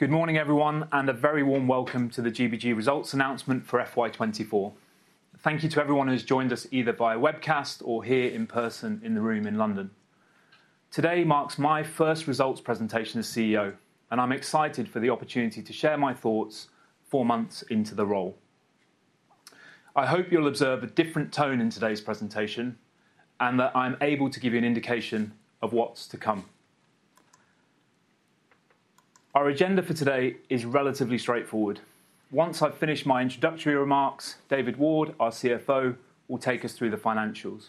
Good morning, everyone, and a very warm welcome to the GBG results announcement for FY24. Thank you to everyone who's joined us either via webcast or here in person in the room in London. Today marks my first results presentation as CEO, and I'm excited for the opportunity to share my thoughts four months into the role. I hope you'll observe a different tone in today's presentation and that I'm able to give you an indication of what's to come. Our agenda for today is relatively straightforward. Once I've finished my introductory remarks, David Ward, our CFO, will take us through the financials.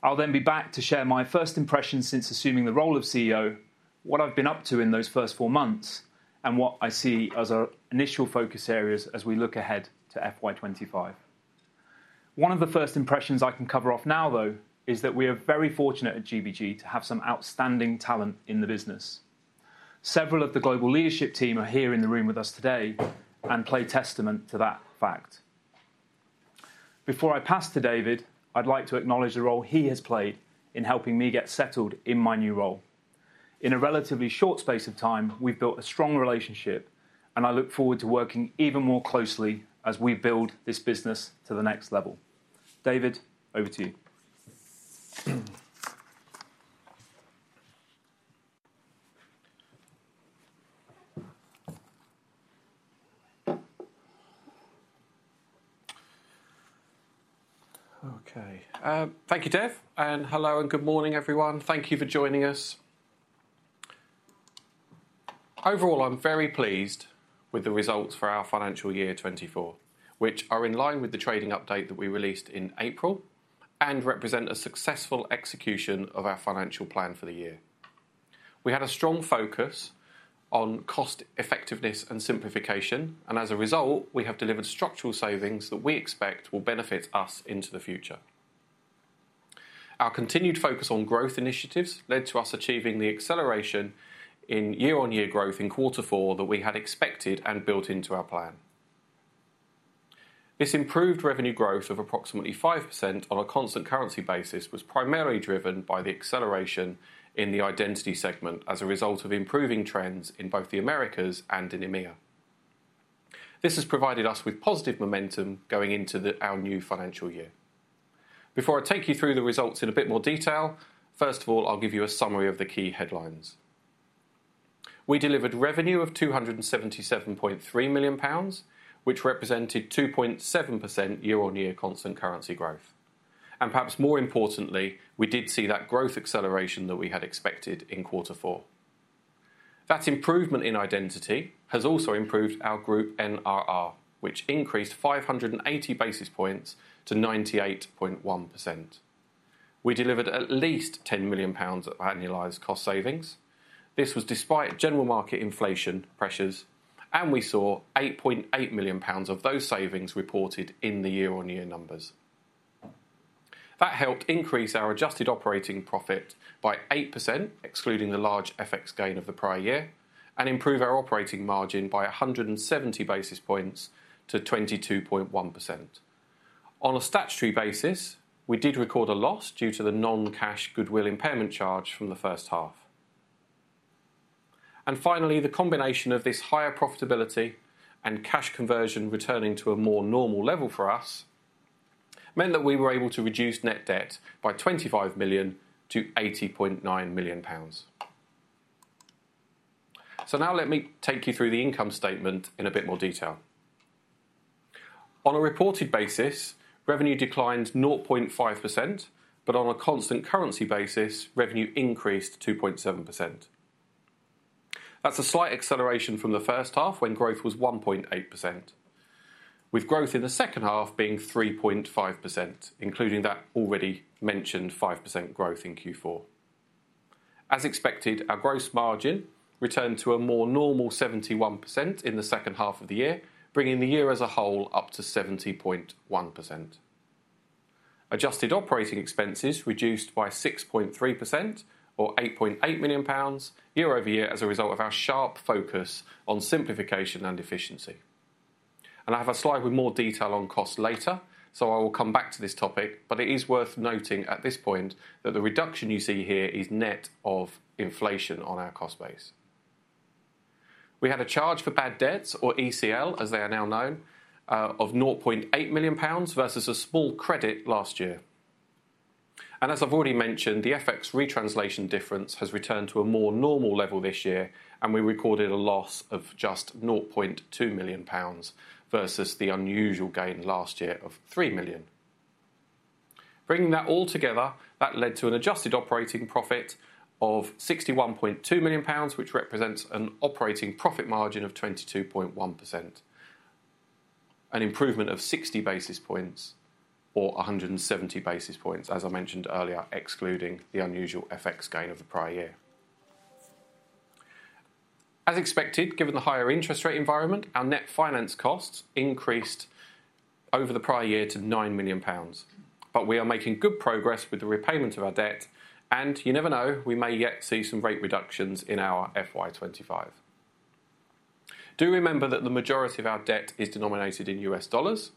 I'll then be back to share my first impressions since assuming the role of CEO, what I've been up to in those first four months, and what I see as our initial focus areas as we look ahead to FY25. One of the first impressions I can cover off now, though, is that we are very fortunate at GBG to have some outstanding talent in the business. Several of the global leadership team are here in the room with us today and play testament to that fact. Before I pass to David, I'd like to acknowledge the role he has played in helping me get settled in my new role. In a relatively short space of time, we've built a strong relationship, and I look forward to working even more closely as we build this business to the next level. David, over to you. Okay. Thank you, Dev. Hello and good morning, everyone. Thank you for joining us. Overall, I'm very pleased with the results for our financial year 2024, which are in line with the trading update that we released in April and represent a successful execution of our financial plan for the year. We had a strong focus on cost effectiveness and simplification, and as a result, we have delivered structural savings that we expect will benefit us into the future. Our continued focus on growth initiatives led to us achieving the acceleration in year-on-year growth in quarter four that we had expected and built into our plan. This improved revenue growth of approximately 5% on a constant currency basis was primarily driven by the acceleration in the identity segment as a result of improving trends in both the Americas and in EMEA. This has provided us with positive momentum going into our new financial year. Before I take you through the results in a bit more detail, first of all, I'll give you a summary of the key headlines. We delivered revenue of 277.3 million pounds, which represented 2.7% year-on-year constant currency growth. Perhaps more importantly, we did see that growth acceleration that we had expected in quarter four. That improvement in identity has also improved our group NRR, which increased 580 basis points to 98.1%. We delivered at least 10 million pounds of annualized cost savings. This was despite general market inflation pressures, and we saw 8.8 million pounds of those savings reported in the year-on-year numbers. That helped increase our adjusted operating profit by 8%, excluding the large FX gain of the prior year, and improve our operating margin by 170 basis points to 22.1%. On a statutory basis, we did record a loss due to the non-cash goodwill impairment charge from the first half. And finally, the combination of this higher profitability and cash conversion returning to a more normal level for us meant that we were able to reduce net debt by 25 million to 80.9 million pounds. So now let me take you through the income statement in a bit more detail. On a reported basis, revenue declined 0.5%, but on a constant currency basis, revenue increased 2.7%. That's a slight acceleration from the first half when growth was 1.8%, with growth in the second half being 3.5%, including that already mentioned 5% growth in Q4. As expected, our gross margin returned to a more normal 71% in the second half of the year, bringing the year as a whole up to 70.1%. Adjusted operating expenses reduced by 6.3%, or 8.8 million pounds, year-over-year as a result of our sharp focus on simplification and efficiency. I have a slide with more detail on cost later, so I will come back to this topic, but it is worth noting at this point that the reduction you see here is net of inflation on our cost base. We had a charge for bad debts, or ECL, as they are now known, of 0.8 million pounds versus a small credit last year. As I've already mentioned, the FX retranslation difference has returned to a more normal level this year, and we recorded a loss of just 0.2 million pounds versus the unusual gain last year of 3 million. Bringing that all together, that led to an adjusted operating profit of GBP 61.2 million, which represents an operating profit margin of 22.1%, an improvement of 60 basis points, or 170 basis points, as I mentioned earlier, excluding the unusual FX gain of the prior year. As expected, given the higher interest rate environment, our net finance costs increased over the prior year to 9 million pounds, but we are making good progress with the repayment of our debt, and you never know, we may yet see some rate reductions in our FY25. Do remember that the majority of our debt is denominated in US dollars,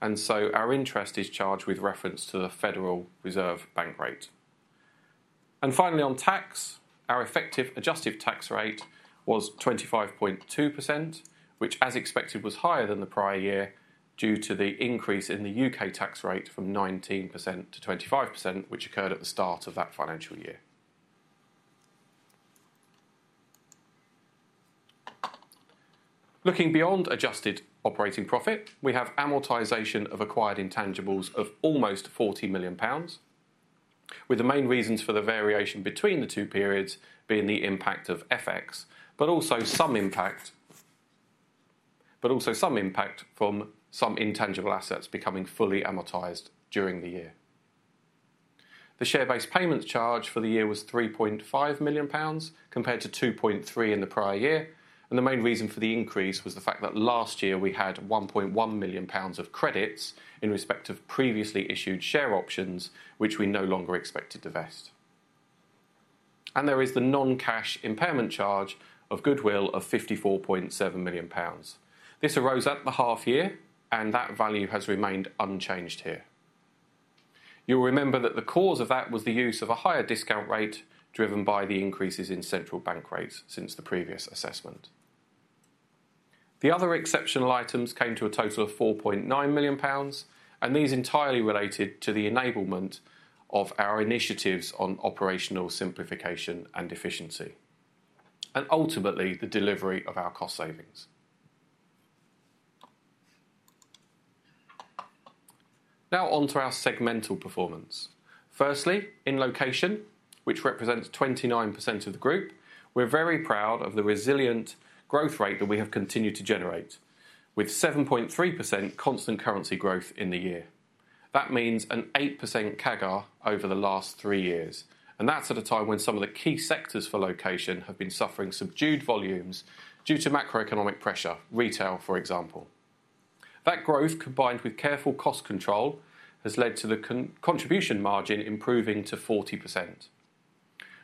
and so our interest is charged with reference to the Federal Reserve Bank rate. Finally, on tax, our effective adjusted tax rate was 25.2%, which, as expected, was higher than the prior year due to the increase in the UK tax rate from 19% to 25%, which occurred at the start of that financial year. Looking beyond adjusted operating profit, we have amortization of acquired intangibles of almost 40 million pounds, with the main reasons for the variation between the two periods being the impact of FX, but also some impact from some intangible assets becoming fully amortized during the year. The share-based payments charge for the year was 3.5 million pounds compared to 2.3 million in the prior year, and the main reason for the increase was the fact that last year we had 1.1 million pounds of credits in respect of previously issued share options, which we no longer expected to vest. There is the non-cash impairment charge of goodwill of 54.7 million pounds. This arose at the half year, and that value has remained unchanged here. You'll remember that the cause of that was the use of a higher discount rate driven by the increases in central bank rates since the previous assessment. The other exceptional items came to a total of 4.9 million pounds, and these are entirely related to the enablement of our initiatives on operational simplification and efficiency, and ultimately the delivery of our cost savings. Now on to our segmental performance. Firstly, in location, which represents 29% of the group, we're very proud of the resilient growth rate that we have continued to generate, with 7.3% constant currency growth in the year. That means an 8% CAGR over the last three years, and that's at a time when some of the key sectors for location have been suffering subdued volumes due to macroeconomic pressure, retail, for example. That growth, combined with careful cost control, has led to the contribution margin improving to 40%.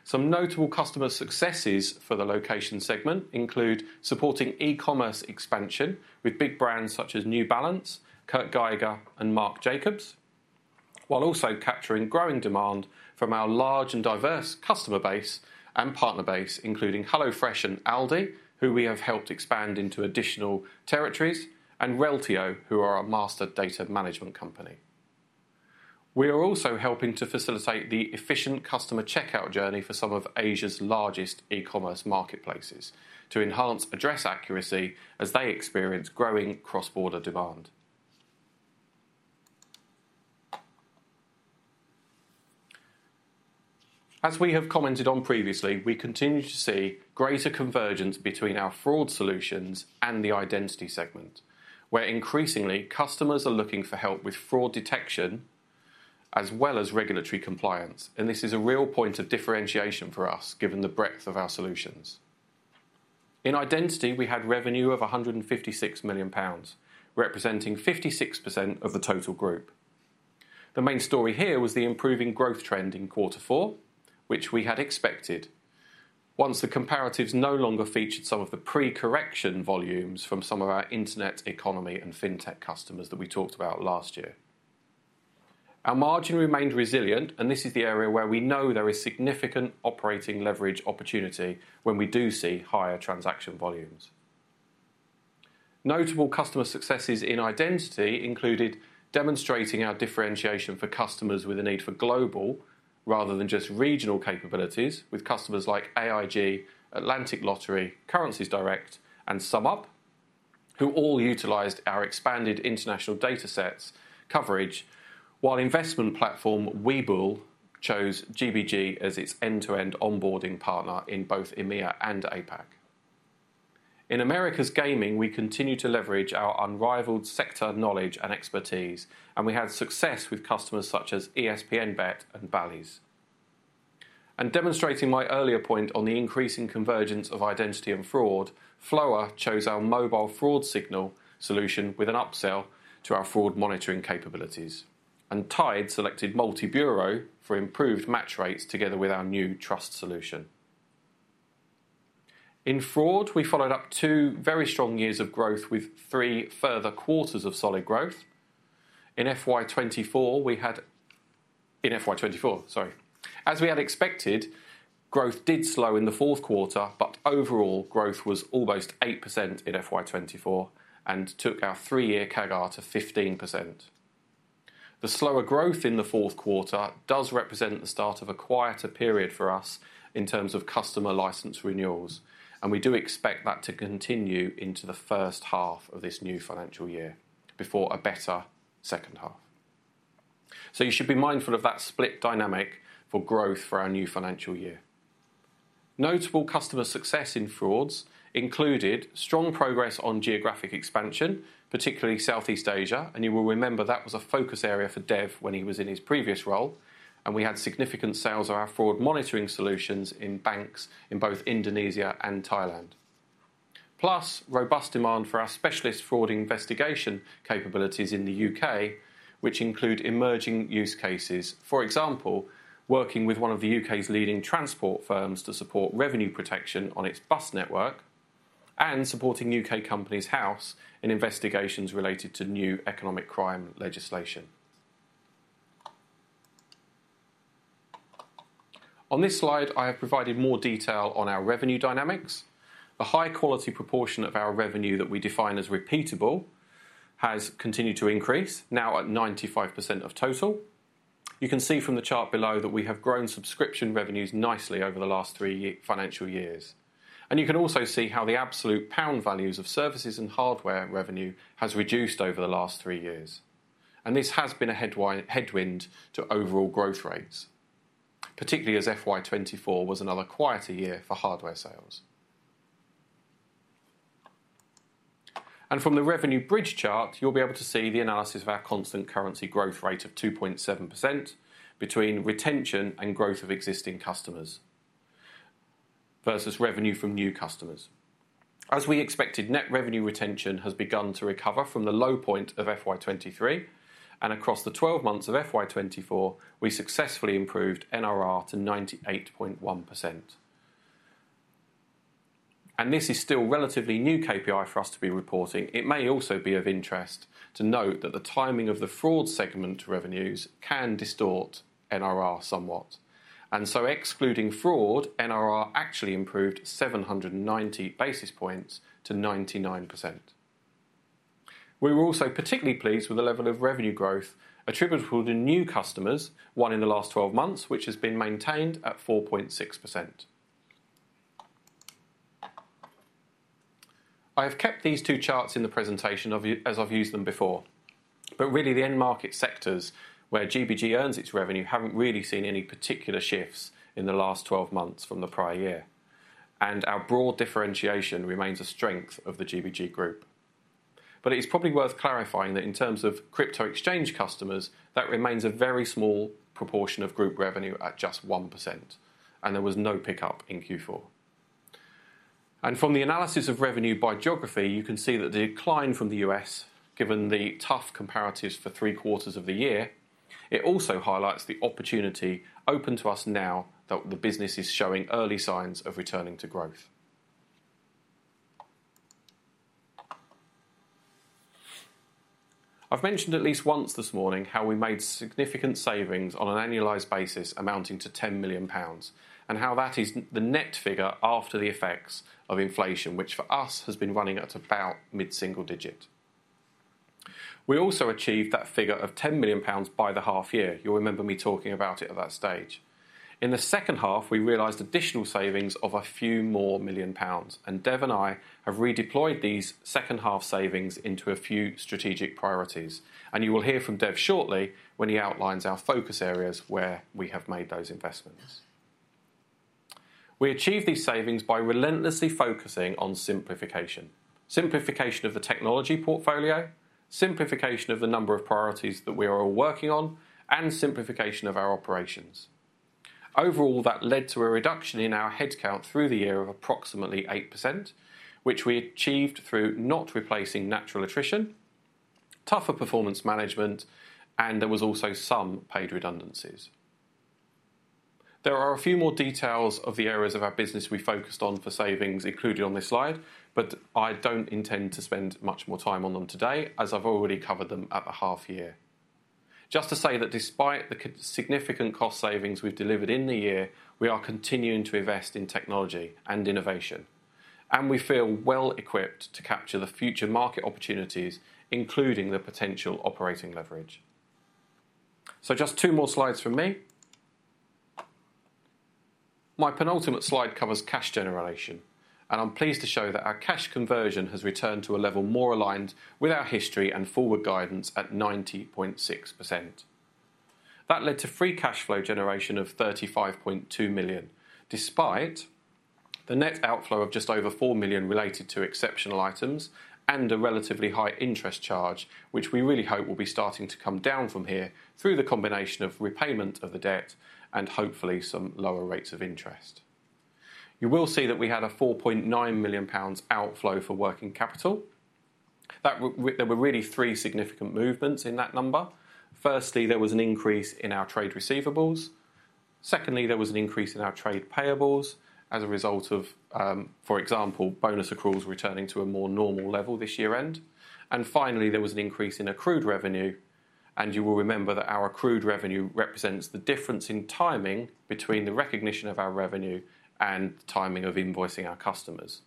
Some notable customer successes for the location segment include supporting e-commerce expansion with big brands such as New Balance, Kurt Geiger, and Marc Jacobs, while also capturing growing demand from our large and diverse customer base and partner base, including HelloFresh and Aldi, who we have helped expand into additional territories, and Reltio, who are our master data management company. We are also helping to facilitate the efficient customer checkout journey for some of Asia's largest e-commerce marketplaces to enhance address accuracy as they experience growing cross-border demand. As we have commented on previously, we continue to see greater convergence between our fraud solutions and the identity segment, where increasingly customers are looking for help with fraud detection as well as regulatory compliance, and this is a real point of differentiation for us given the breadth of our solutions. In identity, we had revenue of 156 million pounds, representing 56% of the total group. The main story here was the improving growth trend in quarter four, which we had expected once the comparatives no longer featured some of the pre-correction volumes from some of our internet economy and fintech customers that we talked about last year. Our margin remained resilient, and this is the area where we know there is significant operating leverage opportunity when we do see higher transaction volumes. Notable customer successes in identity included demonstrating our differentiation for customers with a need for global rather than just regional capabilities, with customers like AIG, Atlantic Lottery, Currencies Direct, and SumUp, who all utilized our expanded international data sets coverage, while investment platform Webull chose GBG as its end-to-end onboarding partner in both EMEA and APAC. In Americas gaming, we continue to leverage our unrivaled sector knowledge and expertise, and we had success with customers such as ESPN Bet and Bally's. And demonstrating my earlier point on the increasing convergence of identity and fraud, Floer chose our mobile fraud signal solution with an upsell to our fraud monitoring capabilities, and Tide selected Multi-Bureau for improved match rates together with our new trust solution. In fraud, we followed up two very strong years of growth with three further quarters of solid growth. In FY24. As we had expected, growth did slow in the fourth quarter, but overall growth was almost 8% in FY 2024 and took our three-year CAGR to 15%. The slower growth in the fourth quarter does represent the start of a quieter period for us in terms of customer license renewals, and we do expect that to continue into the first half of this new financial year before a better second half. So you should be mindful of that split dynamic for growth for our new financial year. Notable customer success in frauds included strong progress on geographic expansion, particularly Southeast Asia, and you will remember that was a focus area for Dev when he was in his previous role, and we had significant sales of our fraud monitoring solutions in banks in both Indonesia and Thailand. Plus, robust demand for our specialist fraud investigation capabilities in the U.K., which include emerging use cases, for example, working with one of the U.K.'s leading transport firms to support revenue protection on its bus network and supporting U.K. Companies House in investigations related to new economic crime legislation. On this slide, I have provided more detail on our revenue dynamics. The high-quality proportion of our revenue that we define as repeatable has continued to increase, now at 95% of total. You can see from the chart below that we have grown subscription revenues nicely over the last three financial years. You can also see how the absolute pound values of services and hardware revenue have reduced over the last three years. This has been a headwind to overall growth rates, particularly as FY24 was another quieter year for hardware sales. From the revenue bridge chart, you'll be able to see the analysis of our constant currency growth rate of 2.7% between retention and growth of existing customers versus revenue from new customers. As we expected, net revenue retention has begun to recover from the low point of FY23, and across the 12 months of FY24, we successfully improved NRR to 98.1%. This is still relatively new KPI for us to be reporting. It may also be of interest to note that the timing of the fraud segment revenues can distort NRR somewhat. So excluding fraud, NRR actually improved 790 basis points to 99%. We were also particularly pleased with the level of revenue growth attributable to new customers, one in the last 12 months, which has been maintained at 4.6%. I have kept these two charts in the presentation as I've used them before, but really the end market sectors where GBG earns its revenue haven't really seen any particular shifts in the last 12 months from the prior year, and our broad differentiation remains a strength of the GBG group. But it is probably worth clarifying that in terms of crypto exchange customers, that remains a very small proportion of group revenue at just 1%, and there was no pickup in Q4. From the analysis of revenue by geography, you can see that the decline from the U.S., given the tough comparatives for three quarters of the year, also highlights the opportunity open to us now that the business is showing early signs of returning to growth. I've mentioned at least once this morning how we made significant savings on an annualized basis amounting to 10 million pounds and how that is the net figure after the effects of inflation, which for us has been running at about mid-single digit. We also achieved that figure of 10 million pounds by the half year. You'll remember me talking about it at that stage. In the second half, we realized additional savings of a few more million GBP, and Dev and I have redeployed these second half savings into a few strategic priorities, and you will hear from Dev shortly when he outlines our focus areas where we have made those investments. We achieved these savings by relentlessly focusing on simplification: simplification of the technology portfolio, simplification of the number of priorities that we are all working on, and simplification of our operations. Overall, that led to a reduction in our headcount through the year of approximately 8%, which we achieved through not replacing natural attrition, tougher performance management, and there was also some paid redundancies. There are a few more details of the areas of our business we focused on for savings included on this slide, but I don't intend to spend much more time on them today, as I've already covered them at the half year. Just to say that despite the significant cost savings we've delivered in the year, we are continuing to invest in technology and innovation, and we feel well equipped to capture the future market opportunities, including the potential operating leverage. Just two more slides from me. My penultimate slide covers cash generation, and I'm pleased to show that our cash conversion has returned to a level more aligned with our history and forward guidance at 90.6%. That led to free cash flow generation of 35.2 million, despite the net outflow of just over 4 million related to exceptional items and a relatively high interest charge, which we really hope will be starting to come down from here through the combination of repayment of the debt and hopefully some lower rates of interest. You will see that we had a 4.9 million pounds outflow for working capital. There were really three significant movements in that number. Firstly, there was an increase in our trade receivables. Secondly, there was an increase in our trade payables as a result of, for example, bonus accruals returning to a more normal level this year-end. Finally, there was an increase in accrued revenue, and you will remember that our accrued revenue represents the difference in timing between the recognition of our revenue and the timing of invoicing our customers.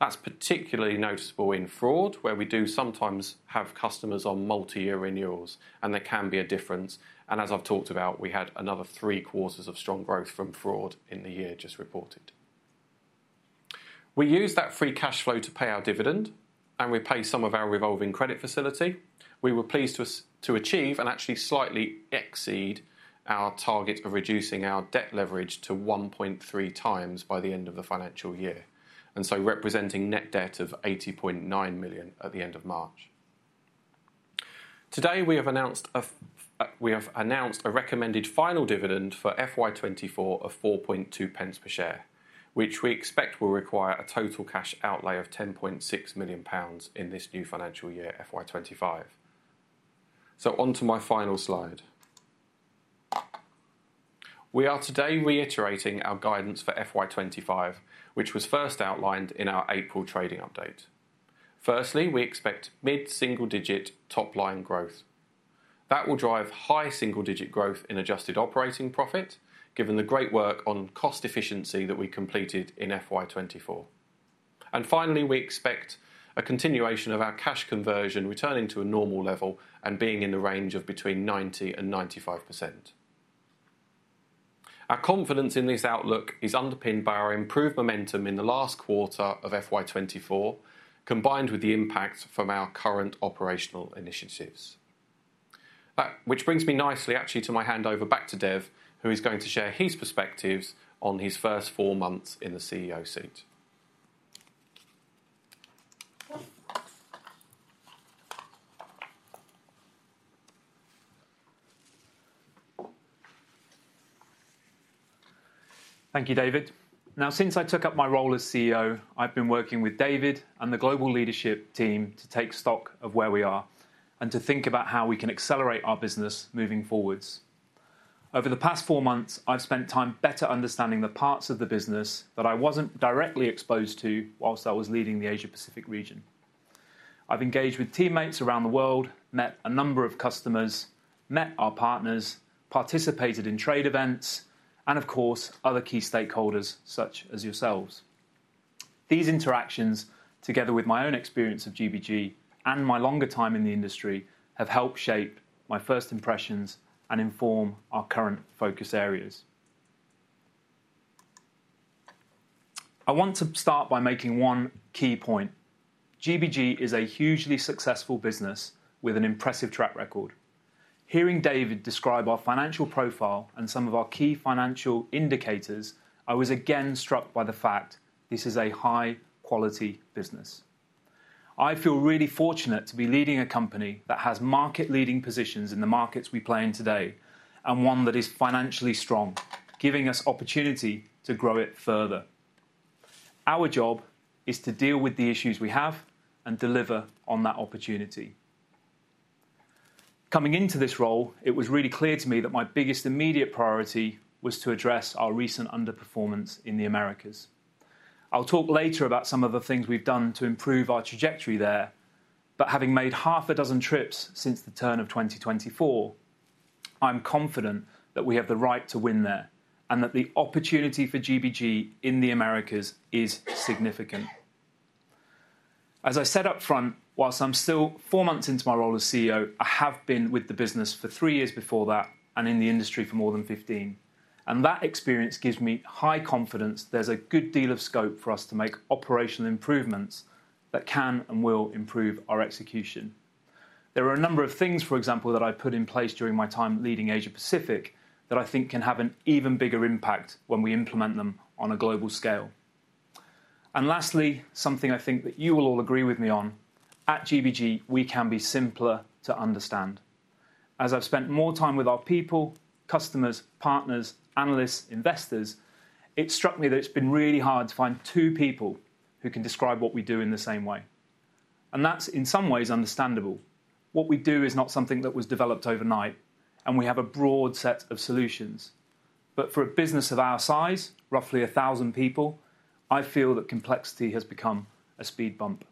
That's particularly noticeable in fraud, where we do sometimes have customers on multi-year renewals, and there can be a difference. As I've talked about, we had another 3 quarters of strong growth from fraud in the year just reported. We use that free cash flow to pay our dividend, and we pay some of our revolving credit facility. We were pleased to achieve and actually slightly exceed our target of reducing our debt leverage to 1.3x by the end of the financial year, and so representing net debt of 80.9 million at the end of March. Today, we have announced a recommended final dividend for FY24 of 4.2 pence per share, which we expect will require a total cash outlay of 10.6 million pounds in this new financial year, FY25. So on to my final slide. We are today reiterating our guidance for FY25, which was first outlined in our April trading update. Firstly, we expect mid-single digit top-line growth. That will drive high single-digit growth in adjusted operating profit, given the great work on cost efficiency that we completed in FY24. And finally, we expect a continuation of our cash conversion returning to a normal level and being in the range of between 90%-95%. Our confidence in this outlook is underpinned by our improved momentum in the last quarter of FY24, combined with the impact from our current operational initiatives. That brings me nicely actually to my handover back to Dev, who is going to share his perspectives on his first four months in the CEO seat. Thank you, David. Now, since I took up my role as CEO, I've been working with David and the global leadership team to take stock of where we are and to think about how we can accelerate our business moving forward. Over the past four months, I've spent time better understanding the parts of the business that I wasn't directly exposed to while I was leading the Asia-Pacific region. I've engaged with teammates around the world, met a number of customers, met our partners, participated in trade events, and of course, other key stakeholders such as yourselves. These interactions, together with my own experience of GBG and my longer time in the industry, have helped shape my first impressions and inform our current focus areas. I want to start by making one key point. GBG is a hugely successful business with an impressive track record. Hearing David describe our financial profile and some of our key financial indicators, I was again struck by the fact this is a high-quality business. I feel really fortunate to be leading a company that has market-leading positions in the markets we play in today and one that is financially strong, giving us opportunity to grow it further. Our job is to deal with the issues we have and deliver on that opportunity. Coming into this role, it was really clear to me that my biggest immediate priority was to address our recent underperformance in the Americas. I'll talk later about some of the things we've done to improve our trajectory there, but having made half a dozen trips since the turn of 2024, I'm confident that we have the right to win there and that the opportunity for GBG in the Americas is significant. As I said upfront, while I'm still four months into my role as CEO, I have been with the business for three years before that and in the industry for more than 15. That experience gives me high confidence there's a good deal of scope for us to make operational improvements that can and will improve our execution. There are a number of things, for example, that I've put in place during my time leading Asia-Pacific that I think can have an even bigger impact when we implement them on a global scale. Lastly, something I think that you will all agree with me on, at GBG, we can be simpler to understand. As I've spent more time with our people, customers, partners, analysts, investors, it struck me that it's been really hard to find two people who can describe what we do in the same way. That's, in some ways, understandable. What we do is not something that was developed overnight, and we have a broad set of solutions. For a business of our size, roughly 1,000 people, I feel that complexity has become a speed bump.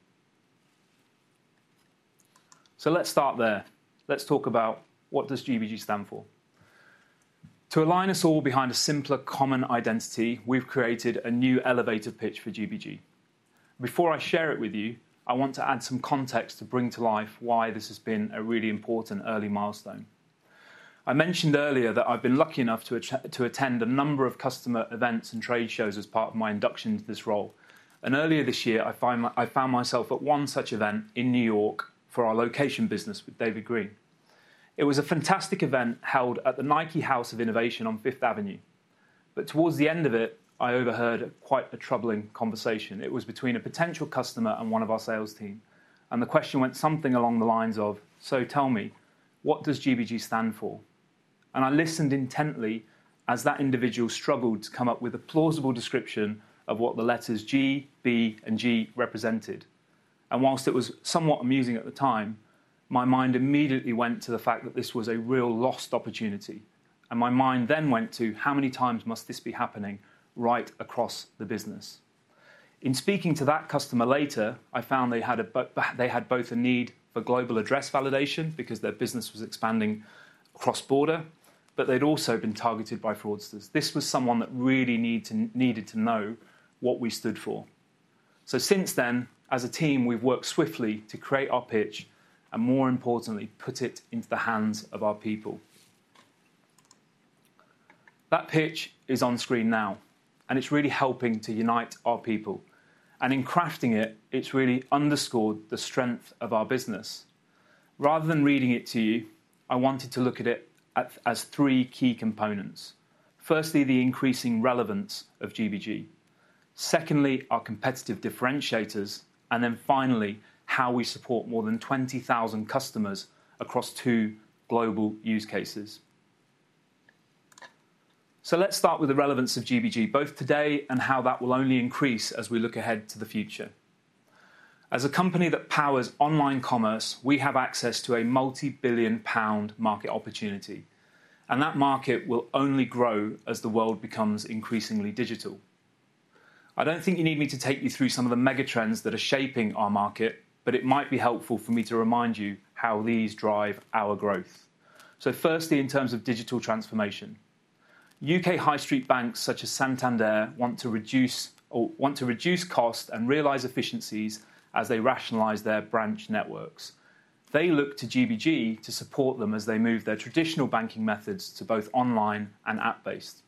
Let's start there. Let's talk about what does GBG stand for. To align us all behind a simpler common identity, we've created a new elevator pitch for GBG. Before I share it with you, I want to add some context to bring to life why this has been a really important early milestone. I mentioned earlier that I've been lucky enough to attend a number of customer events and trade shows as part of my induction to this role. Earlier this year, I found myself at one such event in New York for our location business with David Green. It was a fantastic event held at the Nike House of Innovation on Fifth Avenue. But towards the end of it, I overheard quite a troubling conversation. It was between a potential customer and one of our sales team. The question went something along the lines of, "So tell me, what does GBG stand for?" I listened intently as that individual struggled to come up with a plausible description of what the letters G, B, and G represented. While it was somewhat amusing at the time, my mind immediately went to the fact that this was a real lost opportunity. My mind then went to, "How many times must this be happening right across the business?" In speaking to that customer later, I found they had both a need for global address validation because their business was expanding cross-border, but they'd also been targeted by fraudsters. This was someone that really needed to know what we stood for. So since then, as a team, we've worked swiftly to create our pitch and, more importantly, put it into the hands of our people. That pitch is on screen now, and it's really helping to unite our people. In crafting it, it's really underscored the strength of our business. Rather than reading it to you, I wanted to look at it as three key components. Firstly, the increasing relevance of GBG. Secondly, our competitive differentiators. Then finally, how we support more than 20,000 customers across two global use cases. Let's start with the relevance of GBG, both today and how that will only increase as we look ahead to the future. As a company that powers online commerce, we have access to a multi-billion GBP market opportunity. That market will only grow as the world becomes increasingly digital. I don't think you need me to take you through some of the mega trends that are shaping our market, but it might be helpful for me to remind you how these drive our growth. So firstly, in terms of digital transformation, UK high-street banks such as Santander want to reduce costs and realize efficiencies as they rationalize their branch networks. They look to GBG to support them as they move their traditional banking methods to both online and app-based.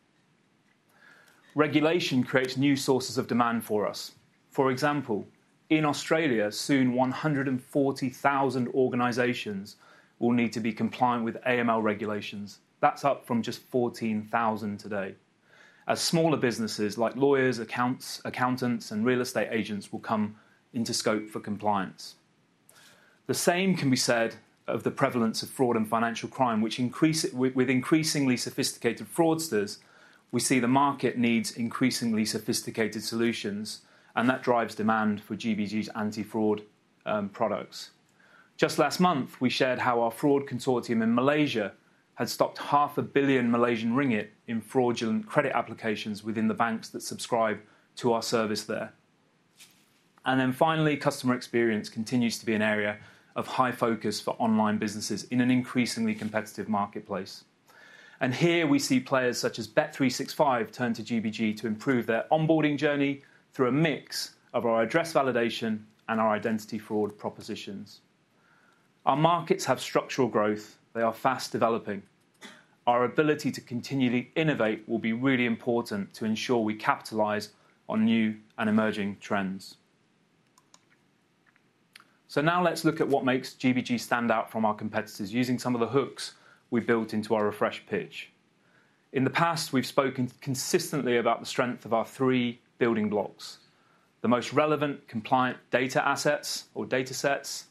Regulation creates new sources of demand for us. For example, in Australia, soon 140,000 organizations will need to be compliant with AML regulations. That's up from just 14,000 today. As smaller businesses like lawyers, accountants, and real estate agents will come into scope for compliance. The same can be said of the prevalence of fraud and financial crime, which, with increasingly sophisticated fraudsters, we see the market needs increasingly sophisticated solutions, and that drives demand for GBG's anti-fraud products. Just last month, we shared how our fraud consortium in Malaysia had stopped 500 million Malaysian ringgit in fraudulent credit applications within the banks that subscribe to our service there. And then finally, customer experience continues to be an area of high focus for online businesses in an increasingly competitive marketplace. And here we see players such as Bet365 turn to GBG to improve their onboarding journey through a mix of our address validation and our identity fraud propositions. Our markets have structural growth. They are fast developing. Our ability to continually innovate will be really important to ensure we capitalize on new and emerging trends. So now let's look at what makes GBG stand out from our competitors using some of the hooks we built into our refreshed pitch. In the past, we've spoken consistently about the strength of our three building blocks: the most relevant compliant data assets or data sets,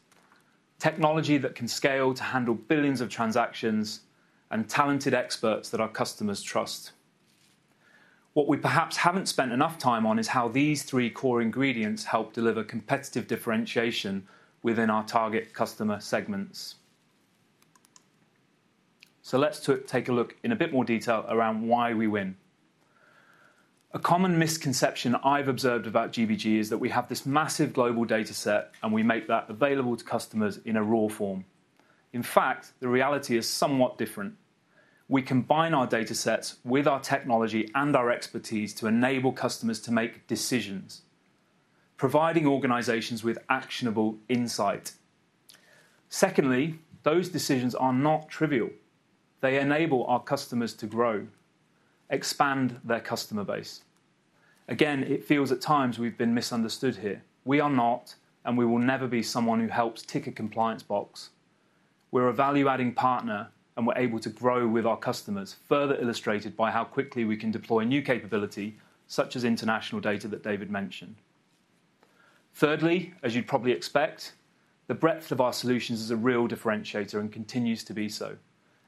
technology that can scale to handle billions of transactions, and talented experts that our customers trust. What we perhaps haven't spent enough time on is how these three core ingredients help deliver competitive differentiation within our target customer segments. So let's take a look in a bit more detail around why we win. A common misconception I've observed about GBG is that we have this massive global data set, and we make that available to customers in a raw form. In fact, the reality is somewhat different. We combine our data sets with our technology and our expertise to enable customers to make decisions, providing organizations with actionable insight. Secondly, those decisions are not trivial. They enable our customers to grow, expand their customer base. Again, it feels at times we've been misunderstood here. We are not, and we will never be someone who helps tick a compliance box. We're a value-adding partner, and we're able to grow with our customers, further illustrated by how quickly we can deploy new capability such as international data that David mentioned. Thirdly, as you'd probably expect, the breadth of our solutions is a real differentiator and continues to be so.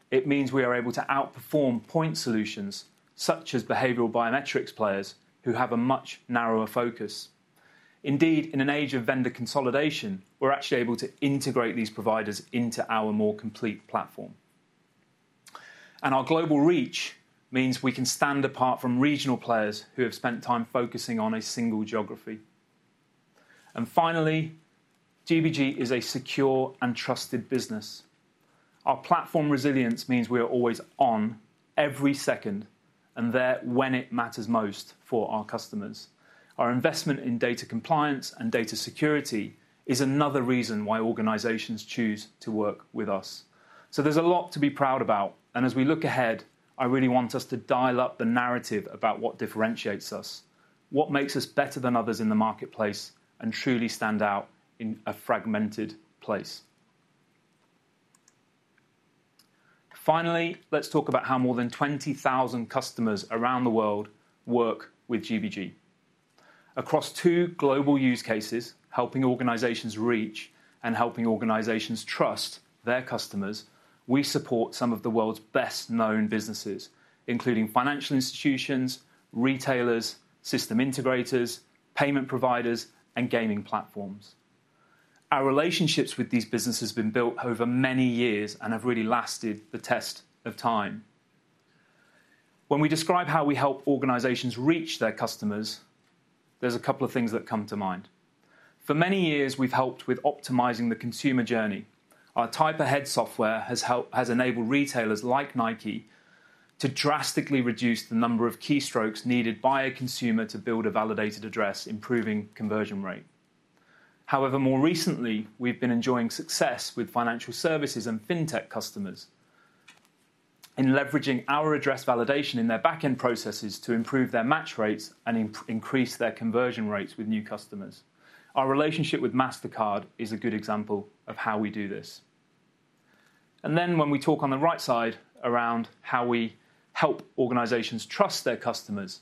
It means we are able to outperform point solutions such as behavioral biometrics players who have a much narrower focus. Indeed, in an age of vendor consolidation, we're actually able to integrate these providers into our more complete platform. And our global reach means we can stand apart from regional players who have spent time focusing on a single geography. And finally, GBG is a secure and trusted business. Our platform resilience means we are always on every second and there when it matters most for our customers. Our investment in data compliance and data security is another reason why organizations choose to work with us. So there's a lot to be proud about. And as we look ahead, I really want us to dial up the narrative about what differentiates us, what makes us better than others in the marketplace, and truly stand out in a fragmented place. Finally, let's talk about how more than 20,000 customers around the world work with GBG. Across two global use cases, helping organizations reach and helping organizations trust their customers, we support some of the world's best-known businesses, including financial institutions, retailers, system integrators, payment providers, and gaming platforms. Our relationships with these businesses have been built over many years and have really lasted the test of time. When we describe how we help organizations reach their customers, there's a couple of things that come to mind. For many years, we've helped with optimizing the consumer journey. Our type-ahead software has enabled retailers like Nike to drastically reduce the number of keystrokes needed by a consumer to build a validated address, improving conversion rate. However, more recently, we've been enjoying success with financial services and fintech customers in leveraging our address validation in their back-end processes to improve their match rates and increase their conversion rates with new customers. Our relationship with Mastercard is a good example of how we do this. And then when we talk on the right side around how we help organizations trust their customers,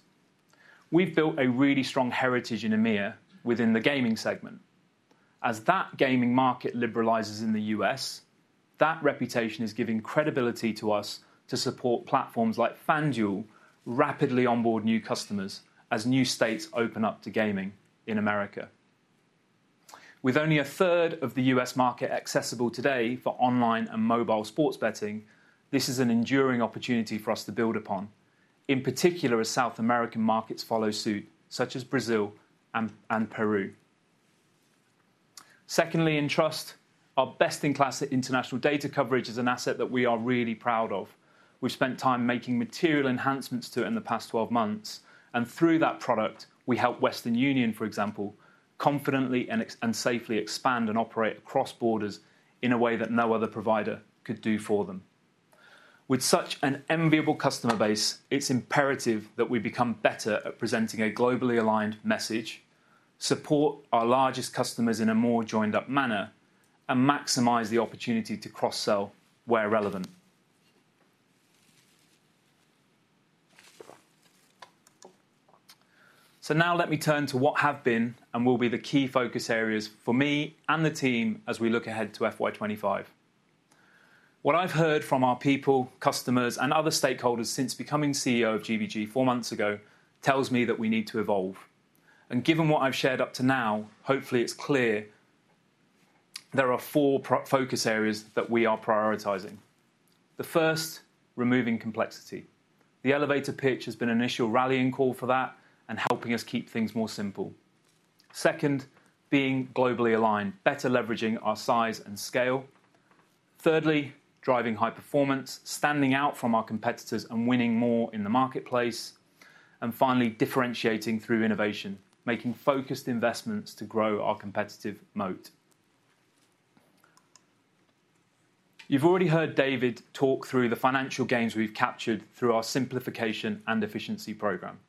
we've built a really strong heritage in EMEA within the gaming segment. As that gaming market liberalizes in the U.S., that reputation is giving credibility to us to support platforms like FanDuel rapidly onboard new customers as new states open up to gaming in America. With only a third of the U.S. market accessible today for online and mobile sports betting, this is an enduring opportunity for us to build upon, in particular as South American markets follow suit, such as Brazil and Peru. Secondly, in trust, our best-in-class international data coverage is an asset that we are really proud of. We've spent time making material enhancements to it in the past 12 months. Through that product, we help Western Union, for example, confidently and safely expand and operate across borders in a way that no other provider could do for them. With such an enviable customer base, it's imperative that we become better at presenting a globally aligned message, support our largest customers in a more joined-up manner, and maximize the opportunity to cross-sell where relevant. Now let me turn to what have been and will be the key focus areas for me and the team as we look ahead to FY25. What I've heard from our people, customers, and other stakeholders since becoming CEO of GBG four months ago tells me that we need to evolve. Given what I've shared up to now, hopefully, it's clear there are four focus areas that we are prioritizing. The first, removing complexity. The elevator pitch has been an initial rallying call for that and helping us keep things more simple. Second, being globally aligned, better leveraging our size and scale. Thirdly, driving high performance, standing out from our competitors and winning more in the marketplace. And finally, differentiating through innovation, making focused investments to grow our competitive moat. You've already heard David talk through the financial gains we've captured through our simplification and efficiency program.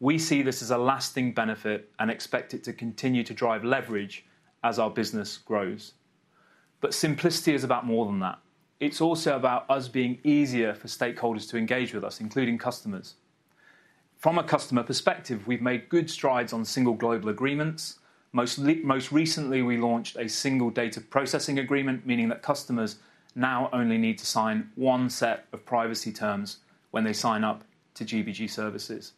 We see this as a lasting benefit and expect it to continue to drive leverage as our business grows. But simplicity is about more than that. It's also about us being easier for stakeholders to engage with us, including customers. From a customer perspective, we've made good strides on single global agreements. Most recently, we launched a single data processing agreement, meaning that customers now only need to sign one set of privacy terms when they sign up to GBG services.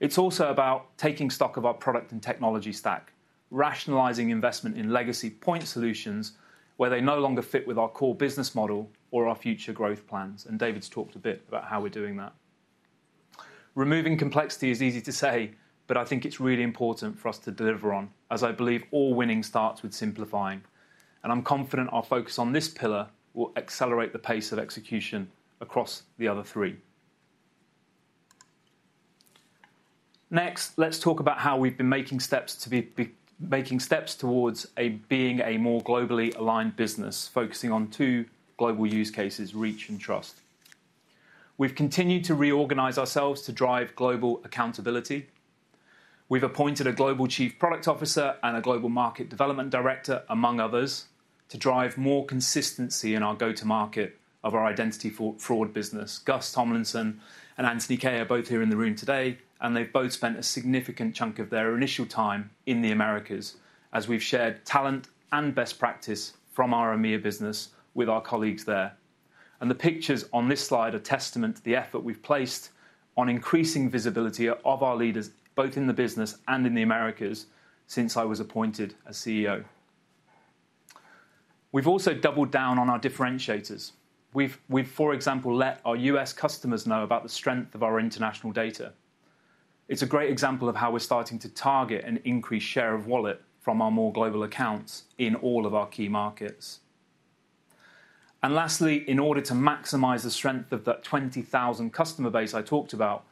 It's also about taking stock of our product and technology stack, rationalizing investment in legacy point solutions where they no longer fit with our core business model or our future growth plans. And David's talked a bit about how we're doing that. Removing complexity is easy to say, but I think it's really important for us to deliver on, as I believe all winning starts with simplifying. And I'm confident our focus on this pillar will accelerate the pace of execution across the other three. Next, let's talk about how we've been making steps towards being a more globally aligned business, focusing on two global use cases: reach and trust. We've continued to reorganize ourselves to drive global accountability. We've appointed a global chief product officer and a global market development director, among others, to drive more consistency in our go-to-market of our identity fraud business. Gus Tomlinson and Anthony Kay are both here in the room today, and they've both spent a significant chunk of their initial time in the Americas, as we've shared talent and best practice from our EMEA business with our colleagues there. The pictures on this slide are testament to the effort we've placed on increasing visibility of our leaders, both in the business and in the Americas, since I was appointed as CEO. We've also doubled down on our differentiators. We've, for example, let our U.S. customers know about the strength of our international data. It's a great example of how we're starting to target an increased share of wallet from our more global accounts in all of our key markets. Lastly, in order to maximize the strength of that 20,000 customer base I talked about,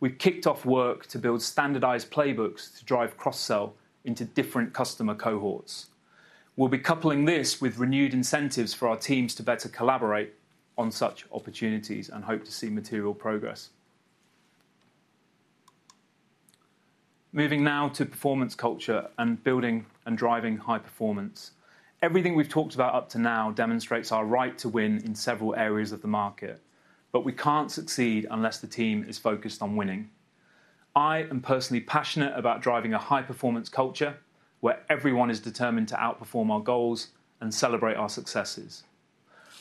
we've kicked off work to build standardized playbooks to drive cross-sell into different customer cohorts. We'll be coupling this with renewed incentives for our teams to better collaborate on such opportunities and hope to see material progress. Moving now to performance culture and building and driving high performance. Everything we've talked about up to now demonstrates our right to win in several areas of the market, but we can't succeed unless the team is focused on winning. I am personally passionate about driving a high-performance culture where everyone is determined to outperform our goals and celebrate our successes.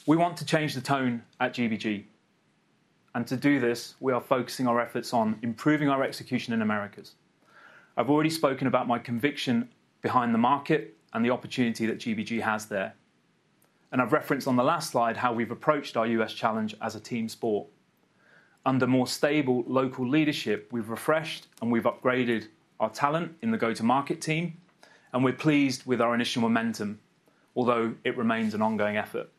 We want to change the tone at GBG. To do this, we are focusing our efforts on improving our execution in the Americas. I've already spoken about my conviction behind the market and the opportunity that GBG has there. I've referenced on the last slide how we've approached our U.S. challenge as a team sport. Under more stable local leadership, we've refreshed and we've upgraded our talent in the go-to-market team, and we're pleased with our initial momentum, although it remains an ongoing effort.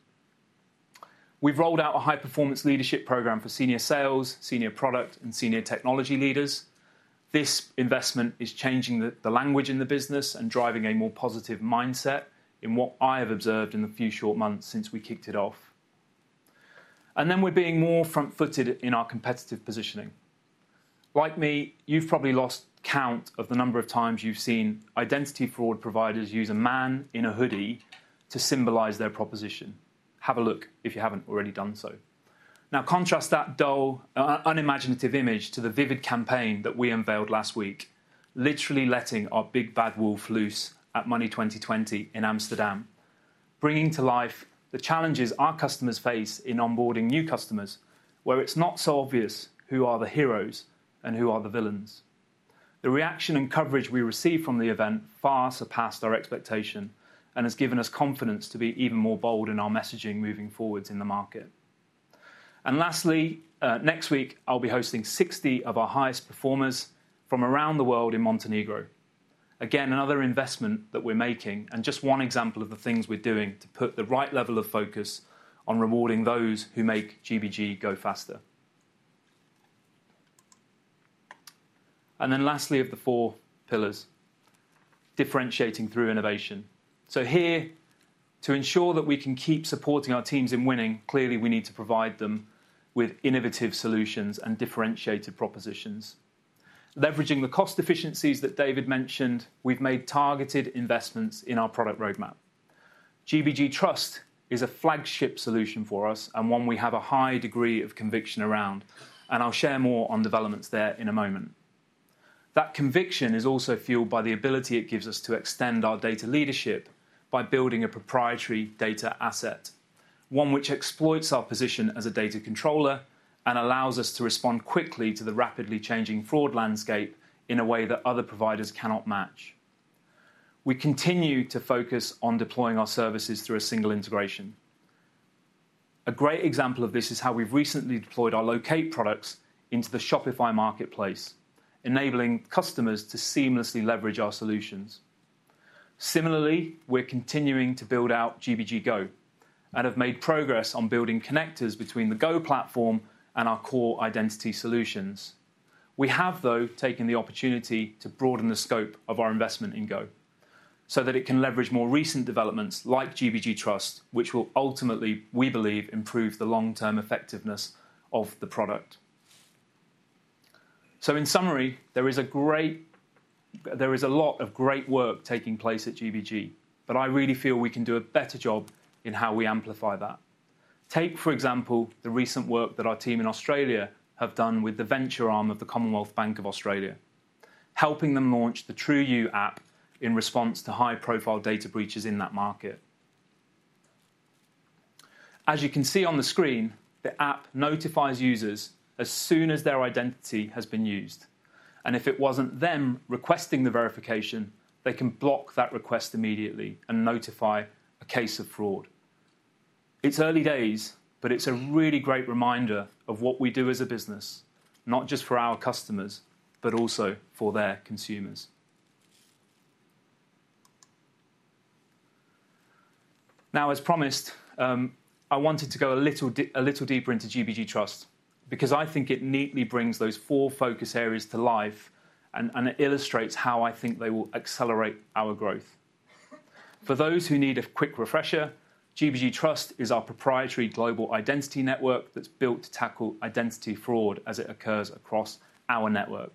We've rolled out a high-performance leadership program for senior sales, senior product, and senior technology leaders. This investment is changing the language in the business and driving a more positive mindset in what I have observed in the few short months since we kicked it off. We're being more front-footed in our competitive positioning. Like me, you've probably lost count of the number of times you've seen identity fraud providers use a man in a hoodie to symbolize their proposition. Have a look if you haven't already done so. Now, contrast that dull, unimaginative image to the vivid campaign that we unveiled last week, literally letting our big bad wolf loose at Money20/20 in Amsterdam, bringing to life the challenges our customers face in onboarding new customers, where it's not so obvious who are the heroes and who are the villains. The reaction and coverage we received from the event far surpassed our expectation and has given us confidence to be even more bold in our messaging moving forward in the market. Lastly, next week, I'll be hosting 60 of our highest performers from around the world in Montenegro. Again, another investment that we're making and just one example of the things we're doing to put the right level of focus on rewarding those who make GBG go faster. Then lastly, of the four pillars, differentiating through innovation. Here, to ensure that we can keep supporting our teams in winning, clearly, we need to provide them with innovative solutions and differentiated propositions. Leveraging the cost efficiencies that David mentioned, we've made targeted investments in our product roadmap. GBG Trust is a flagship solution for us and one we have a high degree of conviction around. And I'll share more on developments there in a moment. That conviction is also fueled by the ability it gives us to extend our data leadership by building a proprietary data asset, one which exploits our position as a data controller and allows us to respond quickly to the rapidly changing fraud landscape in a way that other providers cannot match. We continue to focus on deploying our services through a single integration. A great example of this is how we've recently deployed our locate products into the Shopify marketplace, enabling customers to seamlessly leverage our solutions. Similarly, we're continuing to build out GBG Go and have made progress on building connectors between the Go platform and our core identity solutions. We have, though, taken the opportunity to broaden the scope of our investment in Go so that it can leverage more recent developments like GBG Trust, which will ultimately, we believe, improve the long-term effectiveness of the product. So in summary, there is a lot of great work taking place at GBG, but I really feel we can do a better job in how we amplify that. Take, for example, the recent work that our team in Australia have done with the venture arm of the Commonwealth Bank of Australia, helping them launch the TrueU app in response to high-profile data breaches in that market. As you can see on the screen, the app notifies users as soon as their identity has been used. And if it wasn't them requesting the verification, they can block that request immediately and notify a case of fraud. It's early days, but it's a really great reminder of what we do as a business, not just for our customers, but also for their consumers. Now, as promised, I wanted to go a little deeper into GBG Trust because I think it neatly brings those four focus areas to life and illustrates how I think they will accelerate our growth. For those who need a quick refresher, GBG Trust is our proprietary global identity network that's built to tackle identity fraud as it occurs across our network.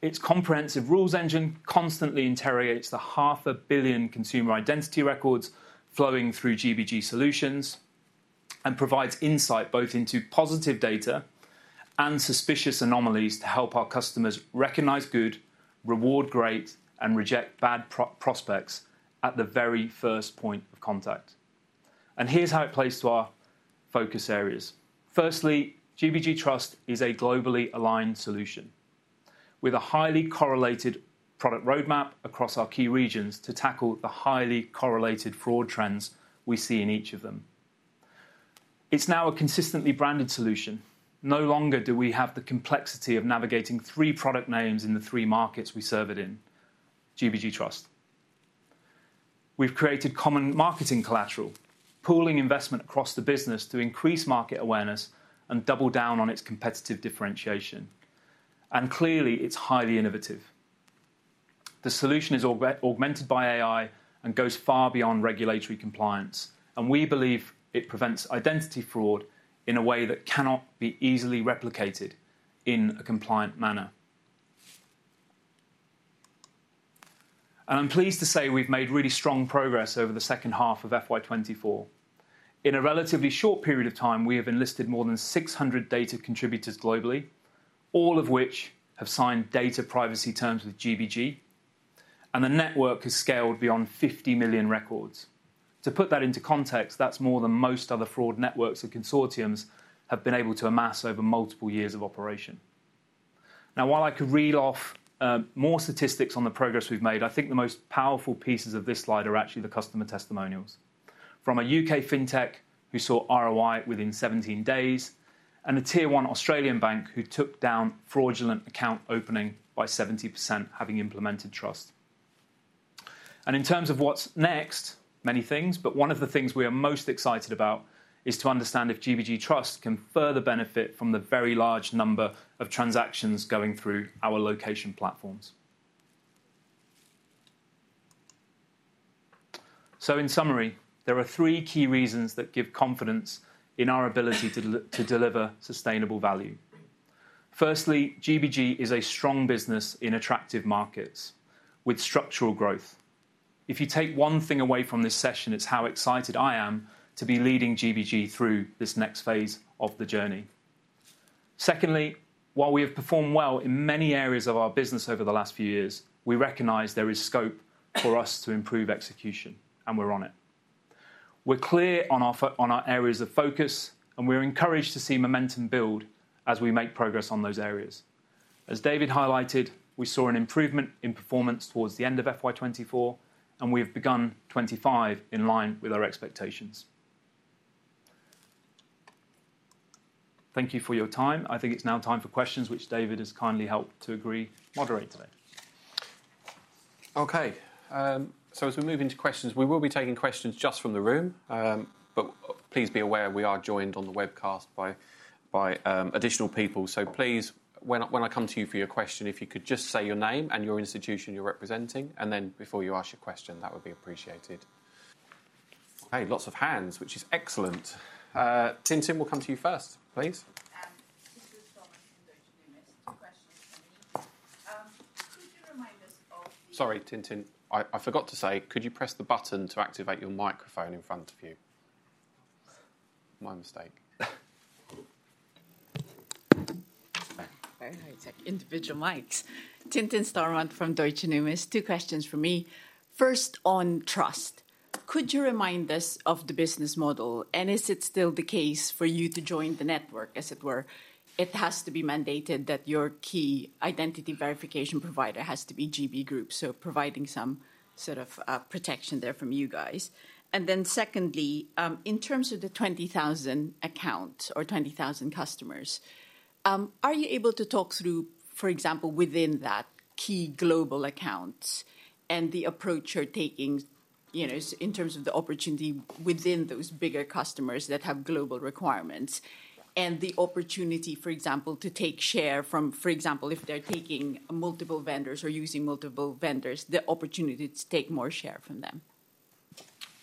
Its comprehensive rules engine constantly interrogates the 500 million consumer identity records flowing through GBG Solutions and provides insight both into positive data and suspicious anomalies to help our customers recognize good, reward great, and reject bad prospects at the very first point of contact. And here's how it plays to our focus areas. Firstly, GBG Trust is a globally aligned solution with a highly correlated product roadmap across our key regions to tackle the highly correlated fraud trends we see in each of them. It's now a consistently branded solution. No longer do we have the complexity of navigating three product names in the three markets we serve it in, GBG Trust. We've created common marketing collateral, pooling investment across the business to increase market awareness and double down on its competitive differentiation. Clearly, it's highly innovative. The solution is augmented by AI and goes far beyond regulatory compliance. We believe it prevents identity fraud in a way that cannot be easily replicated in a compliant manner. I'm pleased to say we've made really strong progress over the second half of FY24. In a relatively short period of time, we have enlisted more than 600 data contributors globally, all of which have signed data privacy terms with GBG. The network has scaled beyond 50 million records. To put that into context, that's more than most other fraud networks and consortiums have been able to amass over multiple years of operation. Now, while I could reel off more statistics on the progress we've made, I think the most powerful pieces of this slide are actually the customer testimonials from a UK fintech who saw ROI within 17 days and a tier-one Australian bank who took down fraudulent account opening by 70% having implemented trust. In terms of what's next, many things, but one of the things we are most excited about is to understand if GBG Trust can further benefit from the very large number of transactions going through our location platforms. In summary, there are three key reasons that give confidence in our ability to deliver sustainable value. Firstly, GBG is a strong business in attractive markets with structural growth. If you take one thing away from this session, it's how excited I am to be leading GBG through this next phase of the journey. Secondly, while we have performed well in many areas of our business over the last few years, we recognize there is scope for us to improve execution, and we're on it. We're clear on our areas of focus, and we're encouraged to see momentum build as we make progress on those areas. As David highlighted, we saw an improvement in performance towards the end of FY 2024, and we have begun 2025 in line with our expectations. Thank you for your time. I think it's now time for questions, which David has kindly helped to agree moderate today. Okay. So as we move into questions, we will be taking questions just from the room. But please be aware, we are joined on the webcast by additional people. So please, when I come to you for your question, if you could just say your name and your institution you're representing. And then before you ask your question, that would be appreciated. Okay. Lots of hands, which is excellent. Tintin, we'll come to you first, please. This is Tintin Stormont from Numis. Two questions for me. Could you remind us of the, sorry, Tintin. I forgot to say, could you press the button to activate your microphone in front of you? My mistake. Okay. Very high-tech individual mics. Tintin Stormont from Numis. Two questions for me. First on trust. Could you remind us of the business model? And is it still the case for you to join the network, as it were? It has to be mandated that your key identity verification provider has to be GB Group, so providing some sort of protection there from you guys. And then secondly, in terms of the 20,000 accounts or 20,000 customers, are you able to talk through, for example, within that key global accounts and the approach you're taking in terms of the opportunity within those bigger customers that have global requirements and the opportunity, for example, to take share from, for example, if they're taking multiple vendors or using multiple vendors, the opportunity to take more share from them?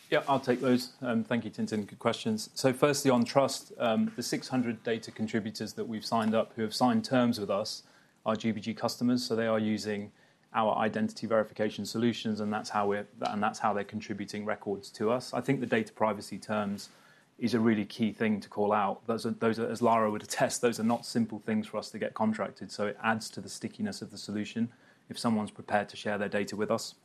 Yeah, I'll take those. Thank you, Tintin. Good questions. So firstly, on trust, the 600 data contributors that we've signed up who have signed terms with us are GBG customers. So they are using our identity verification solutions, and that's how they're contributing records to us. I think the data privacy terms is a really key thing to call out. As Lara would attest, those are not simple things for us to get contracted. So it adds to the stickiness of the solution if someone's prepared to share their data with us.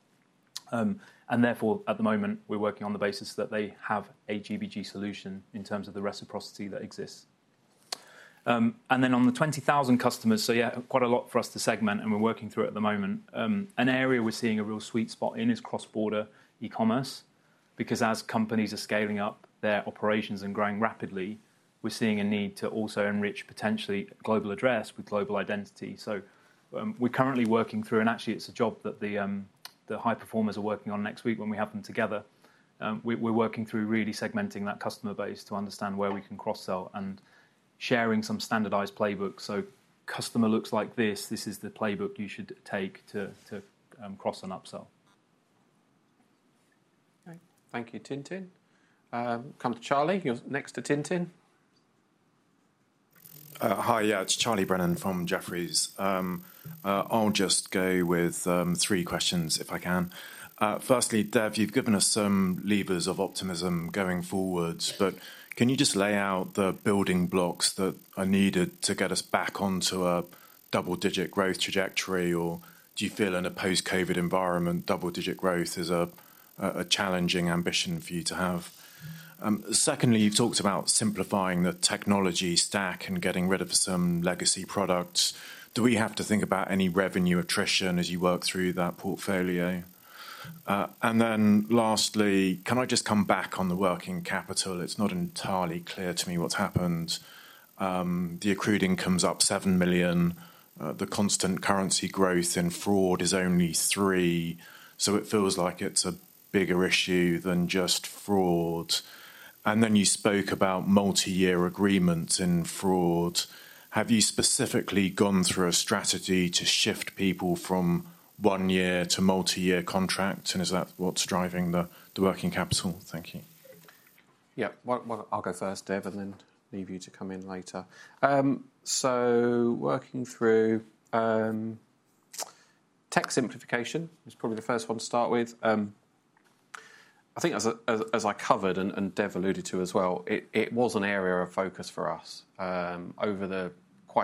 And therefore, at the moment, we're working on the basis that they have a GBG solution in terms of the reciprocity that exists. And then on the 20,000 customers, so yeah, quite a lot for us to segment, and we're working through it at the moment. An area we're seeing a real sweet spot in is cross-border e-commerce because as companies are scaling up their operations and growing rapidly, we're seeing a need to also enrich potentially global address with global identity. So we're currently working through, and actually, it's a job that the high performers are working on next week when we have them together. We're working through really segmenting that customer base to understand where we can cross-sell and sharing some standardized playbooks. So customer looks like this. This is the playbook you should take to cross and upsell. Thank you, Tintin. Come to Charlie. You're next to Tintin. Hi. Yeah, it's Charlie Brennan from Jefferies. I'll just go with three questions if I can. Firstly, Dev, you've given us some levers of optimism going forwards, but can you just lay out the building blocks that are needed to get us back onto a double-digit growth trajectory, or do you feel in a post-COVID environment, double-digit growth is a challenging ambition for you to have? Secondly, you've talked about simplifying the technology stack and getting rid of some legacy products. Do we have to think about any revenue attrition as you work through that portfolio? And then lastly, can I just come back on the working capital? It's not entirely clear to me what's happened. The accrued income's up 7 million. The constant currency growth in fraud is only 3%. So it feels like it's a bigger issue than just fraud. Then you spoke about multi-year agreements in fraud. Have you specifically gone through a strategy to shift people from one-year to multi-year contracts, and is that what's driving the working capital? Thank you. Yeah, I'll go first, Dev, and then leave you to come in later. Working through tech simplification is probably the first one to start with. I think as I covered and Dev alluded to as well, it was an area of focus for us over quite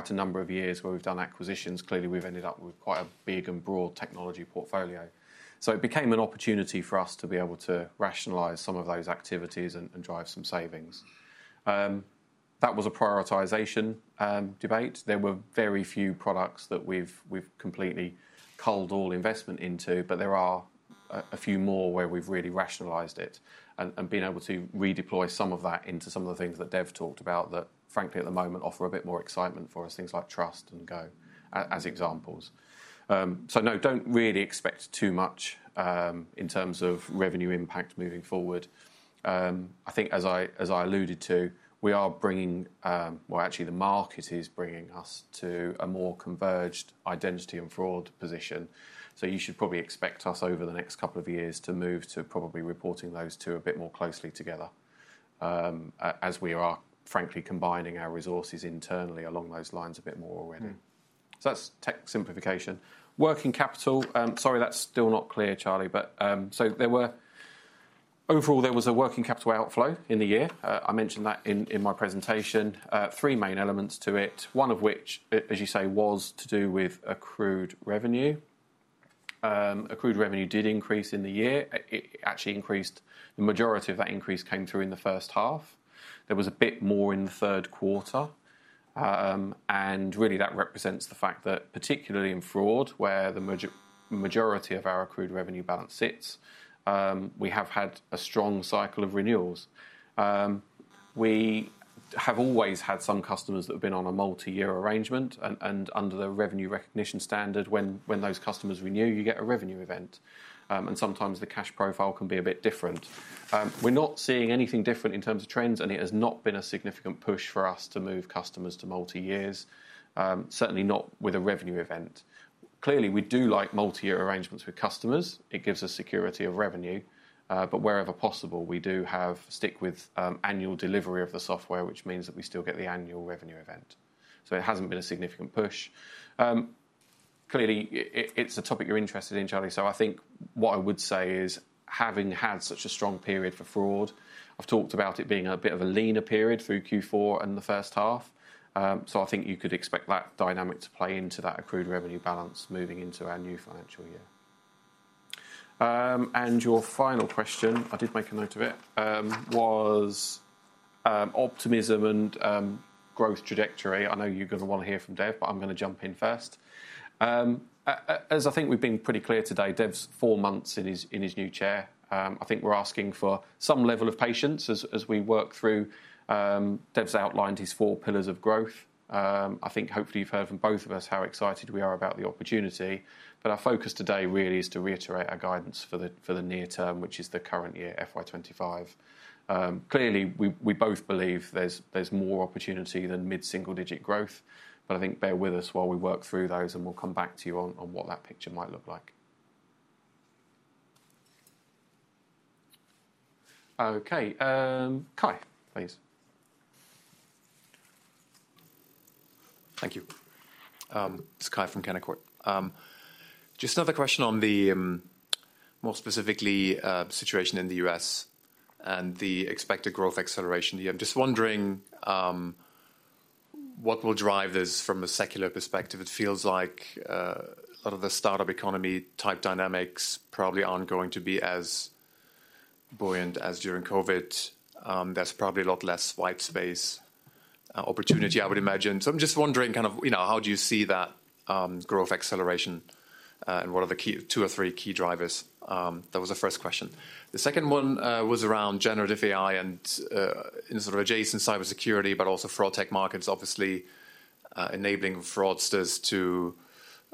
a number of years where we've done acquisitions. Clearly, we've ended up with quite a big and broad technology portfolio. So it became an opportunity for us to be able to rationalize some of those activities and drive some savings. That was a prioritization debate. There were very few products that we've completely culled all investment into, but there are a few more where we've really rationalized it and been able to redeploy some of that into some of the things that Dev talked about that, frankly, at the moment offer a bit more excitement for us, things like Trust and Go as examples. So no, don't really expect too much in terms of revenue impact moving forward. I think as I alluded to, we are bringing, well, actually, the market is bringing us to a more converged identity and fraud position. So you should probably expect us over the next couple of years to move to probably reporting those two a bit more closely together as we are, frankly, combining our resources internally along those lines a bit more already. So that's tech simplification. Working capital, sorry, that's still not clear, Charlie. But so overall, there was a working capital outflow in the year. I mentioned that in my presentation. Three main elements to it, one of which, as you say, was to do with accrued revenue. Accrued revenue did increase in the year. It actually increased. The majority of that increase came through in the first half. There was a bit more in the third quarter. And really, that represents the fact that, particularly in fraud, where the majority of our accrued revenue balance sits, we have had a strong cycle of renewals. We have always had some customers that have been on a multi-year arrangement. And under the revenue recognition standard, when those customers renew, you get a revenue event. And sometimes the cash profile can be a bit different. We're not seeing anything different in terms of trends, and it has not been a significant push for us to move customers to multi-years, certainly not with a revenue event. Clearly, we do like multi-year arrangements with customers. It gives us security of revenue. But wherever possible, we do stick with annual delivery of the software, which means that we still get the annual revenue event. So it hasn't been a significant push. Clearly, it's a topic you're interested in, Charlie. So I think what I would say is, having had such a strong period for fraud, I've talked about it being a bit of a leaner period through Q4 and the first half. So I think you could expect that dynamic to play into that accrued revenue balance moving into our new financial year. And your final question, I did make a note of it, was optimism and growth trajectory. I know you're going to want to hear from Dev, but I'm going to jump in first. As I think we've been pretty clear today, Dev's four months in his new chair. I think we're asking for some level of patience as we work through Dev's outlined his four pillars of growth. I think hopefully you've heard from both of us how excited we are about the opportunity. But our focus today really is to reiterate our guidance for the near term, which is the current year, FY25. Clearly, we both believe there's more opportunity than mid-single-digit growth. But I think bear with us while we work through those, and we'll come back to you on what that picture might look like. Okay. Kai, please. Thank you. This is Kai from Canaccord. Just another question on the more specifically situation in the U.S. and the expected growth acceleration. I'm just wondering what will drive this from a secular perspective. It feels like a lot of the startup economy type dynamics probably aren't going to be as buoyant as during COVID. There's probably a lot less white space opportunity, I would imagine. So I'm just wondering kind of how do you see that growth acceleration and what are the two or three key drivers? That was the first question. The second one was around generative AI and sort of adjacent cybersecurity, but also fraud tech markets, obviously enabling fraudsters to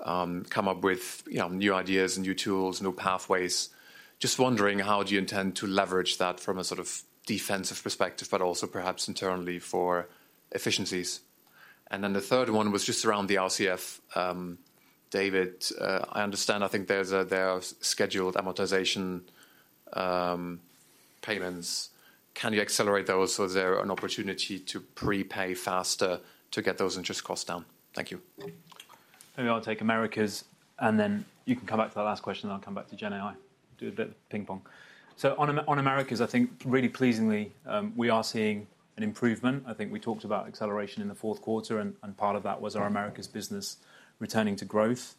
come up with new ideas, new tools, new pathways. Just wondering, how do you intend to leverage that from a sort of defensive perspective, but also perhaps internally for efficiencies? And then the third one was just around the RCF. David, I understand I think there are scheduled amortization payments. Can you accelerate those so there's an opportunity to prepay faster to get those interest costs down? Thank you. Maybe I'll take Americas. And then you can come back to that last question, and I'll come back to GenAI. Do a bit of ping-pong. So on Americas, I think really pleasingly, we are seeing an improvement. I think we talked about acceleration in the fourth quarter, and part of that was our Americas business returning to growth.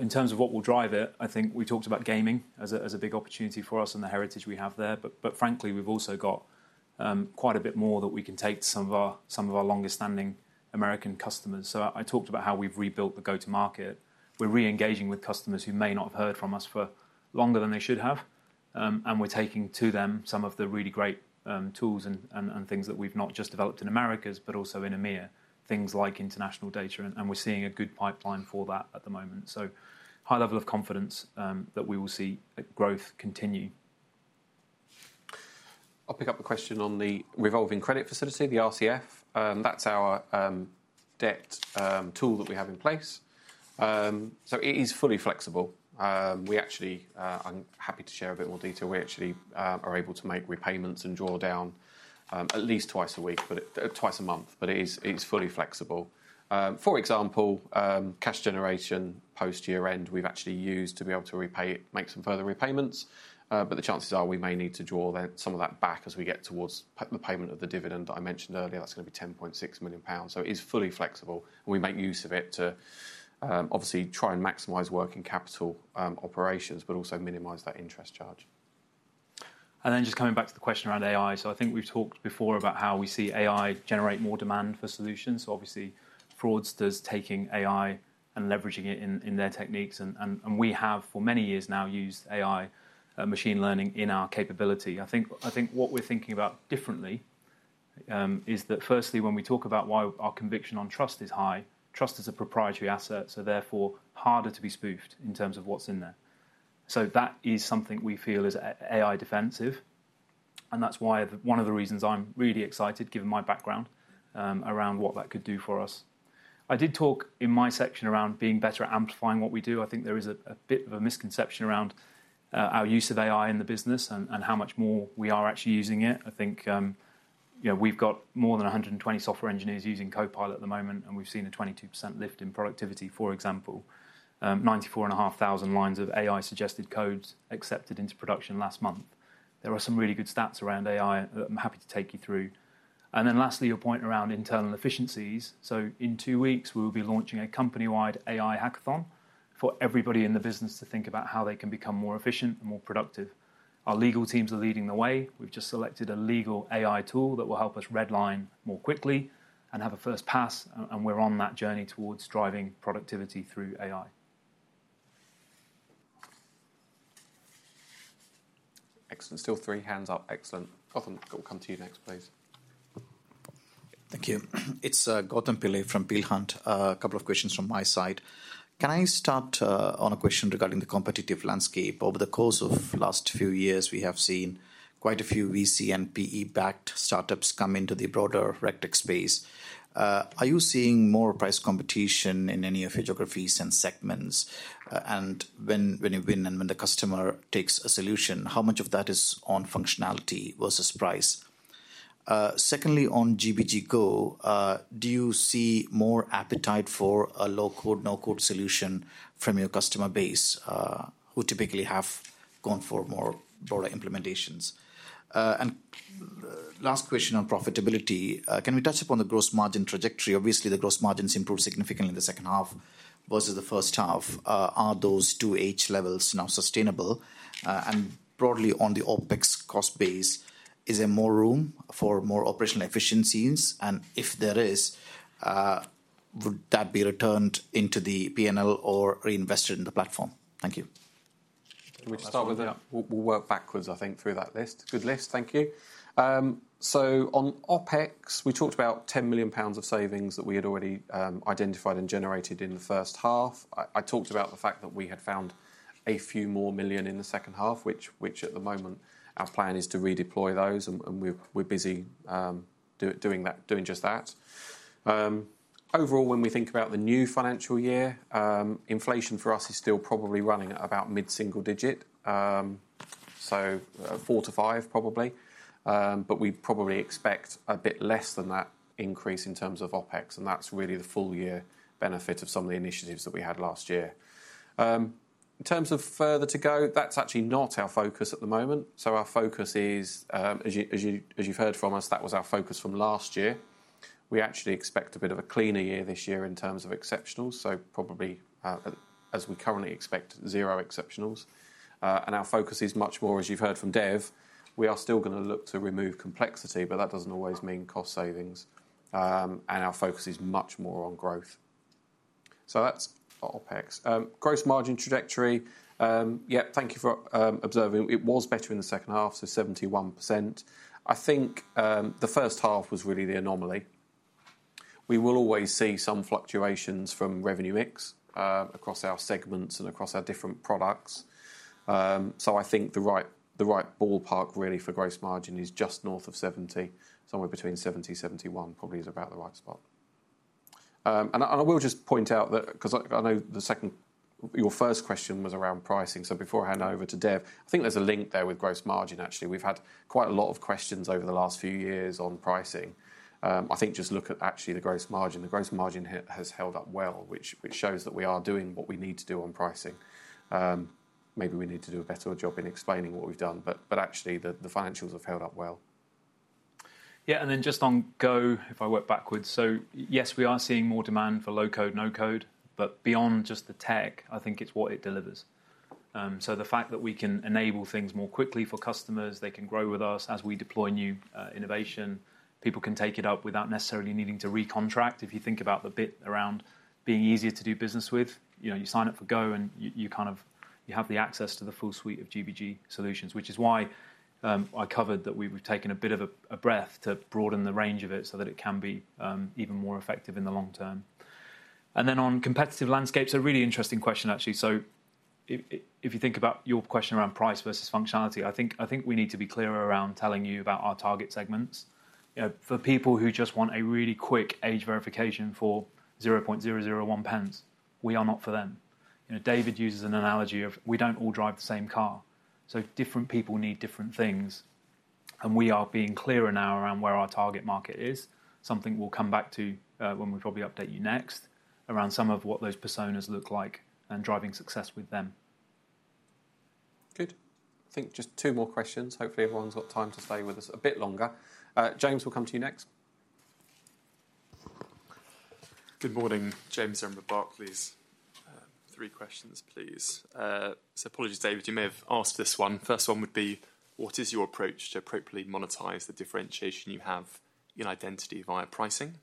In terms of what will drive it, I think we talked about gaming as a big opportunity for us and the heritage we have there. But frankly, we've also got quite a bit more that we can take to some of our longest-standing American customers. So I talked about how we've rebuilt the go-to-market. We're re-engaging with customers who may not have heard from us for longer than they should have. We're taking to them some of the really great tools and things that we've not just developed in Americas, but also in EMEA, things like international data. We're seeing a good pipeline for that at the moment. High level of confidence that we will see growth continue. I'll pick up the question on the revolving credit facility, the RCF. That's our debt tool that we have in place. It is fully flexible. We actually. I'm happy to share a bit more detail. We actually are able to make repayments and draw down at least twice a month, but it's fully flexible. For example, cash generation post-year end, we've actually used to be able to repay, make some further repayments. But the chances are we may need to draw some of that back as we get towards the payment of the dividend I mentioned earlier. That's going to be 10.6 million pounds. So it is fully flexible. And we make use of it to obviously try and maximize working capital operations, but also minimize that interest charge. And then just coming back to the question around AI. So I think we've talked before about how we see AI generate more demand for solutions. So obviously, fraudsters taking AI and leveraging it in their techniques. And we have for many years now used AI machine learning in our capability. I think what we're thinking about differently is that, firstly, when we talk about why our conviction on trust is high, trust is a proprietary asset, so therefore harder to be spoofed in terms of what's in there. So that is something we feel is AI defensive. And that's why one of the reasons I'm really excited, given my background around what that could do for us. I did talk in my section around being better at amplifying what we do. I think there is a bit of a misconception around our use of AI in the business and how much more we are actually using it. I think we've got more than 120 software engineers using Copilot at the moment, and we've seen a 22% lift in productivity, for example. 94,500 lines of AI-suggested codes accepted into production last month. There are some really good stats around AI that I'm happy to take you through. And then lastly, your point around internal efficiencies. So in two weeks, we will be launching a company-wide AI hackathon for everybody in the business to think about how they can become more efficient and more productive. Our legal teams are leading the way. We've just selected a legal AI tool that will help us redline more quickly and have a first pass. And we're on that journey towards driving productivity through AI. Excellent. Still three hands up. Excellent. Gotham, we'll come to you next, please. Thank you. It's Gotham Sherborne from Berenberg. A couple of questions from my side. Can I start on a question regarding the competitive landscape? Over the course of the last few years, we have seen quite a few VC and PE-backed startups come into the broader REGTEC space. Are you seeing more price competition in any of your geographies and segments? And when you win and when the customer takes a solution, how much of that is on functionality versus price? Secondly, on GBG Go, do you see more appetite for a low-code, no-code solution from your customer base who typically have gone for more broader implementations? Last question on profitability. Can we touch upon the gross margin trajectory? Obviously, the gross margins improved significantly in the second half versus the first half. Are those two H levels now sustainable? And broadly, on the OpEx cost base, is there more room for more operational efficiencies? And if there is, would that be returned into the P&L or reinvested in the platform? Thank you. Can we just start with that? We'll work backwards, I think, through that list. Good list. Thank you. On OpEx, we talked about 10 million pounds of savings that we had already identified and generated in the first half. I talked about the fact that we had found a few more million in the second half, which at the moment, our plan is to redeploy those. And we're busy doing just that. Overall, when we think about the new financial year, inflation for us is still probably running at about mid-single digit, so 4-5 probably. But we probably expect a bit less than that increase in terms of OPEX. That's really the full-year benefit of some of the initiatives that we had last year. In terms of further to go, that's actually not our focus at the moment. Our focus is, as you've heard from us, that was our focus from last year. We actually expect a bit of a cleaner year this year in terms of exceptionals, so probably as we currently expect, 0 exceptionals. Our focus is much more, as you've heard from Dev, we are still going to look to remove complexity, but that doesn't always mean cost savings. Our focus is much more on growth. That's OPEX. Gross margin trajectory, yeah, thank you for observing. It was better in the second half, so 71%. I think the first half was really the anomaly. We will always see some fluctuations from revenue mix across our segments and across our different products. So I think the right ballpark really for gross margin is just north of 70, somewhere between 70, 71 probably is about the right spot. And I will just point out that because I know your first question was around pricing. So before I hand over to Dev, I think there's a link there with gross margin, actually. We've had quite a lot of questions over the last few years on pricing. I think just look at actually the gross margin. The gross margin has held up well, which shows that we are doing what we need to do on pricing. Maybe we need to do a better job in explaining what we've done, but actually, the financials have held up well. Yeah. And then just on Go, if I work backwards, so yes, we are seeing more demand for low-code, no-code. But beyond just the tech, I think it's what it delivers. So the fact that we can enable things more quickly for customers, they can grow with us as we deploy new innovation. People can take it up without necessarily needing to recontract. If you think about the bit around being easier to do business with, you sign up for Go and you have the access to the full suite of GBG solutions, which is why I covered that we've taken a bit of a breath to broaden the range of it so that it can be even more effective in the long term. Then on competitive landscapes, a really interesting question, actually. So if you think about your question around price versus functionality, I think we need to be clearer around telling you about our target segments. For people who just want a really quick age verification for 0.00001, we are not for them. David uses an analogy of we don't all drive the same car. So different people need different things. And we are being clearer now around where our target market is, something we'll come back to when we probably update you next around some of what those personas look like and driving success with them. Good. I think just two more questions. Hopefully, everyone's got time to stay with us a bit longer. James will come to you next. Good morning. James Goodman with Barclays. Three questions, please. So apologies, David. You may have asked this one. First one would be, what is your approach to appropriately monetize the differentiation you have in identity via pricing?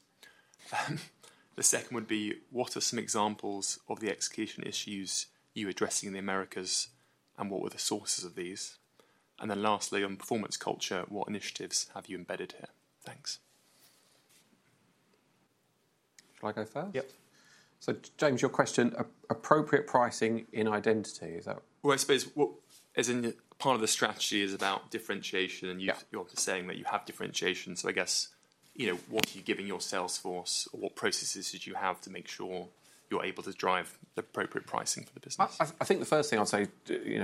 The second would be, what are some examples of the execution issues you're addressing in the Americas and what were the sources of these? And then lastly, on performance culture, what initiatives have you embedded here? Thanks. Shall I go first? Yep. So James, your question, appropriate pricing in identity, is that? Well, I suppose as in part of the strategy is about differentiation. And you're saying that you have differentiation. So I guess, what are you giving your sales force? What processes did you have to make sure you're able to drive the appropriate pricing for the business? I think the first thing I'll say,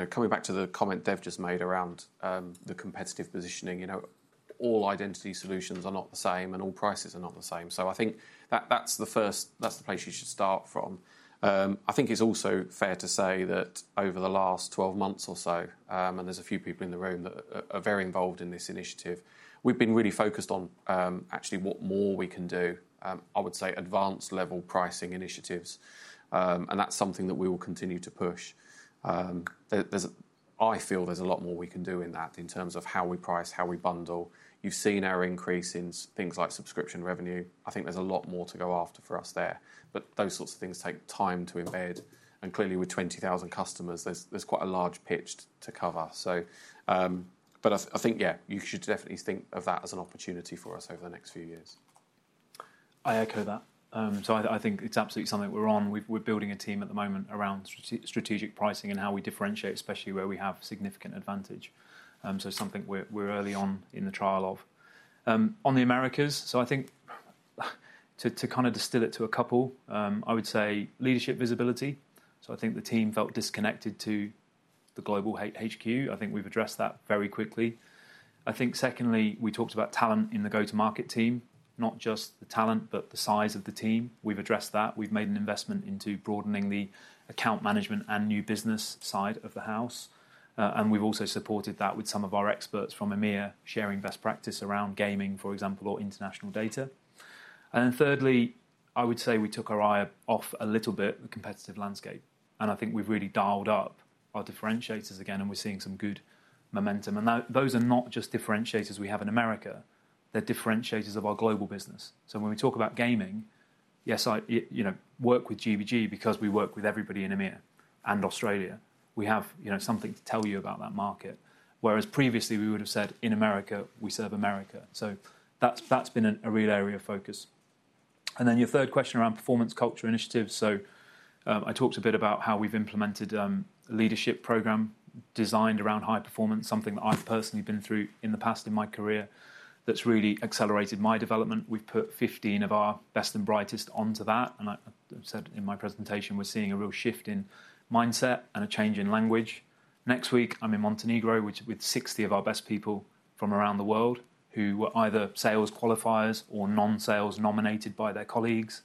coming back to the comment Dev just made around the competitive positioning, all identity solutions are not the same and all prices are not the same. So I think that's the place you should start from. I think it's also fair to say that over the last 12 months or so, and there's a few people in the room that are very involved in this initiative, we've been really focused on actually what more we can do. I would say advanced-level pricing initiatives. And that's something that we will continue to push. I feel there's a lot more we can do in that in terms of how we price, how we bundle. You've seen our increase in things like subscription revenue. I think there's a lot more to go after for us there. But those sorts of things take time to embed. And clearly, with 20,000 customers, there's quite a large pitch to cover. But I think, yeah, you should definitely think of that as an opportunity for us over the next few years. I echo that. So I think it's absolutely something we're on. We're building a team at the moment around strategic pricing and how we differentiate, especially where we have significant advantage. So it's something we're early on in the trial of. On the Americas, so I think to kind of distill it to a couple, I would say leadership visibility. So I think the team felt disconnected to the global HQ. I think we've addressed that very quickly. I think secondly, we talked about talent in the go-to-market team, not just the talent, but the size of the team. We've addressed that. We've made an investment into broadening the account management and new business side of the house. And we've also supported that with some of our experts from EMEA sharing best practice around gaming, for example, or international data. Then thirdly, I would say we took our eye off a little bit of the competitive landscape. I think we've really dialed up our differentiators again, and we're seeing some good momentum. Those are not just differentiators we have in America. They're differentiators of our global business. So when we talk about gaming, yes, work with GBG because we work with everybody in EMEA and Australia. We have something to tell you about that market. Whereas previously, we would have said in America, we serve America. So that's been a real area of focus. Then your third question around performance culture initiatives. So I talked a bit about how we've implemented a leadership program designed around high performance, something that I've personally been through in the past in my career that's really accelerated my development. We've put 15 of our best and brightest onto that. And I said in my presentation, we're seeing a real shift in mindset and a change in language. Next week, I'm in Montenegro with 60 of our best people from around the world who were either sales qualifiers or non-sales nominated by their colleagues.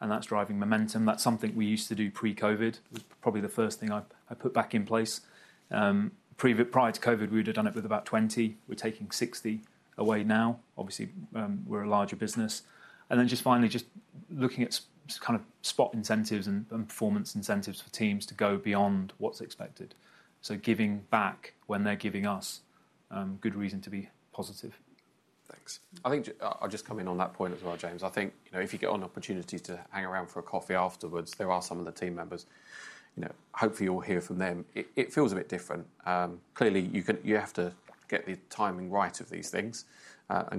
And that's driving momentum. That's something we used to do pre-COVID. It was probably the first thing I put back in place. Prior to COVID, we would have done it with about 20. We're taking 60 away now. Obviously, we're a larger business. And then just finally, just looking at kind of spot incentives and performance incentives for teams to go beyond what's expected. So giving back when they're giving us good reason to be positive. Thanks. I think I'll just come in on that point as well, James. I think if you get on opportunities to hang around for a coffee afterwards, there are some of the team members. Hopefully, you'll hear from them. It feels a bit different. Clearly, you have to get the timing right of these things.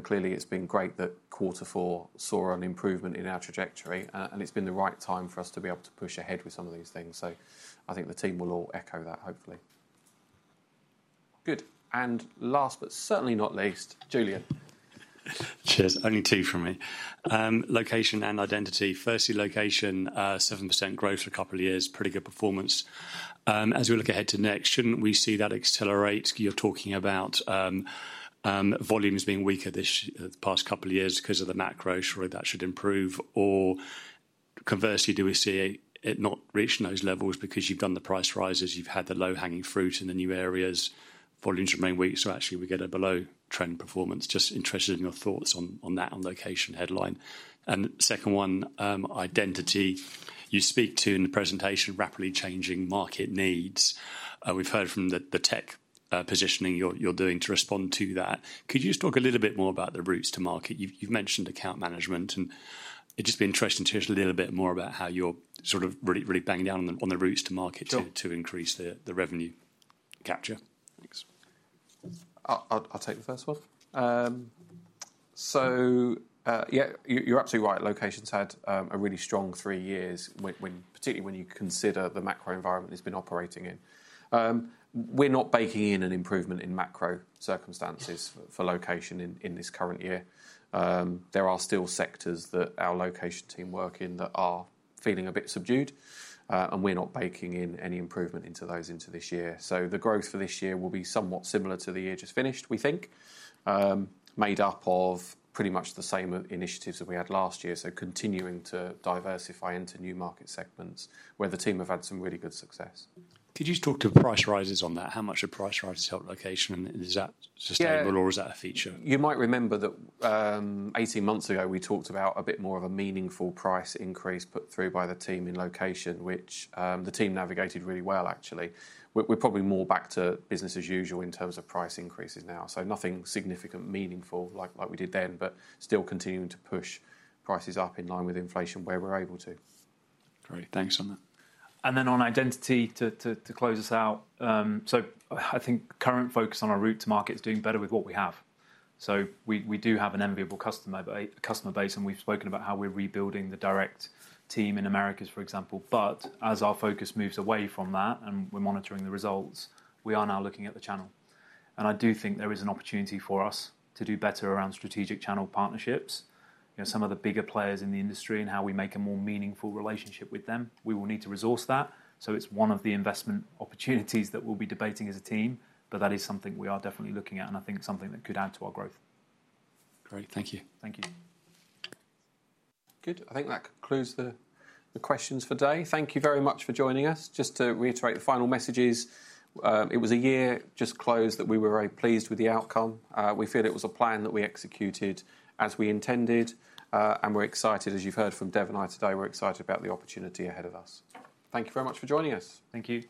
Clearly, it's been great that quarter four saw an improvement in our trajectory. It's been the right time for us to be able to push ahead with some of these things. So I think the team will all echo that, hopefully. Good. Last but certainly not least, Julian. Cheers. Only two from me. Location and identity. Firstly, location, 7% growth for a couple of years, pretty good performance. As we look ahead to next, shouldn't we see that accelerate? You're talking about volumes being weaker this past couple of years because of the macro. Surely that should improve. Or conversely, do we see it not reaching those levels because you've done the price rises, you've had the low-hanging fruit in the new areas, volumes remain weak, so actually we get a below-trend performance? Just interested in your thoughts on that on location headline. And second one, identity. You speak to in the presentation rapidly changing market needs. We've heard from the tech positioning you're doing to respond to that. Could you just talk a little bit more about the routes to market? You've mentioned account management. And it'd just be interesting to hear a little bit more about how you're sort of really banging down on the routes to market to increase the revenue capture. Thanks. I'll take the first one. So yeah, you're absolutely right. Location's had a really strong three years, particularly when you consider the macro environment it's been operating in. We're not baking in an improvement in macro circumstances for location in this current year. There are still sectors that our location team work in that are feeling a bit subdued. And we're not baking in any improvement into those into this year. So the growth for this year will be somewhat similar to the year just finished, we think, made up of pretty much the same initiatives that we had last year. So continuing to diversify into new market segments where the team have had some really good success. Could you just talk to price rises on that? How much have price rises helped location? And is that sustainable or is that a feature? You might remember that 18 months ago, we talked about a bit more of a meaningful price increase put through by the team in location, which the team navigated really well, actually. We're probably more back to business as usual in terms of price increases now. So nothing significant, meaningful like we did then, but still continuing to push prices up in line with inflation where we're able to. Great. Thanks on that. And then on identity, to close us out, so I think current focus on our route to market is doing better with what we have. So we do have an enviable customer base. And we've spoken about how we're rebuilding the direct team in Americas, for example. But as our focus moves away from that and we're monitoring the results, we are now looking at the channel. And I do think there is an opportunity for us to do better around strategic channel partnerships, some of the bigger players in the industry and how we make a more meaningful relationship with them. We will need to resource that. So it's one of the investment opportunities that we'll be debating as a team. But that is something we are definitely looking at and I think something that could add to our growth. Great. Thank you. Thank you. Good. I think that concludes the questions for today. Thank you very much for joining us. Just to reiterate the final messages, it was a year just closed that we were very pleased with the outcome. We feel it was a plan that we executed as we intended. And we're excited, as you've heard from Dev and I today, we're excited about the opportunity ahead of us. Thank you very much for joining us. Thank you.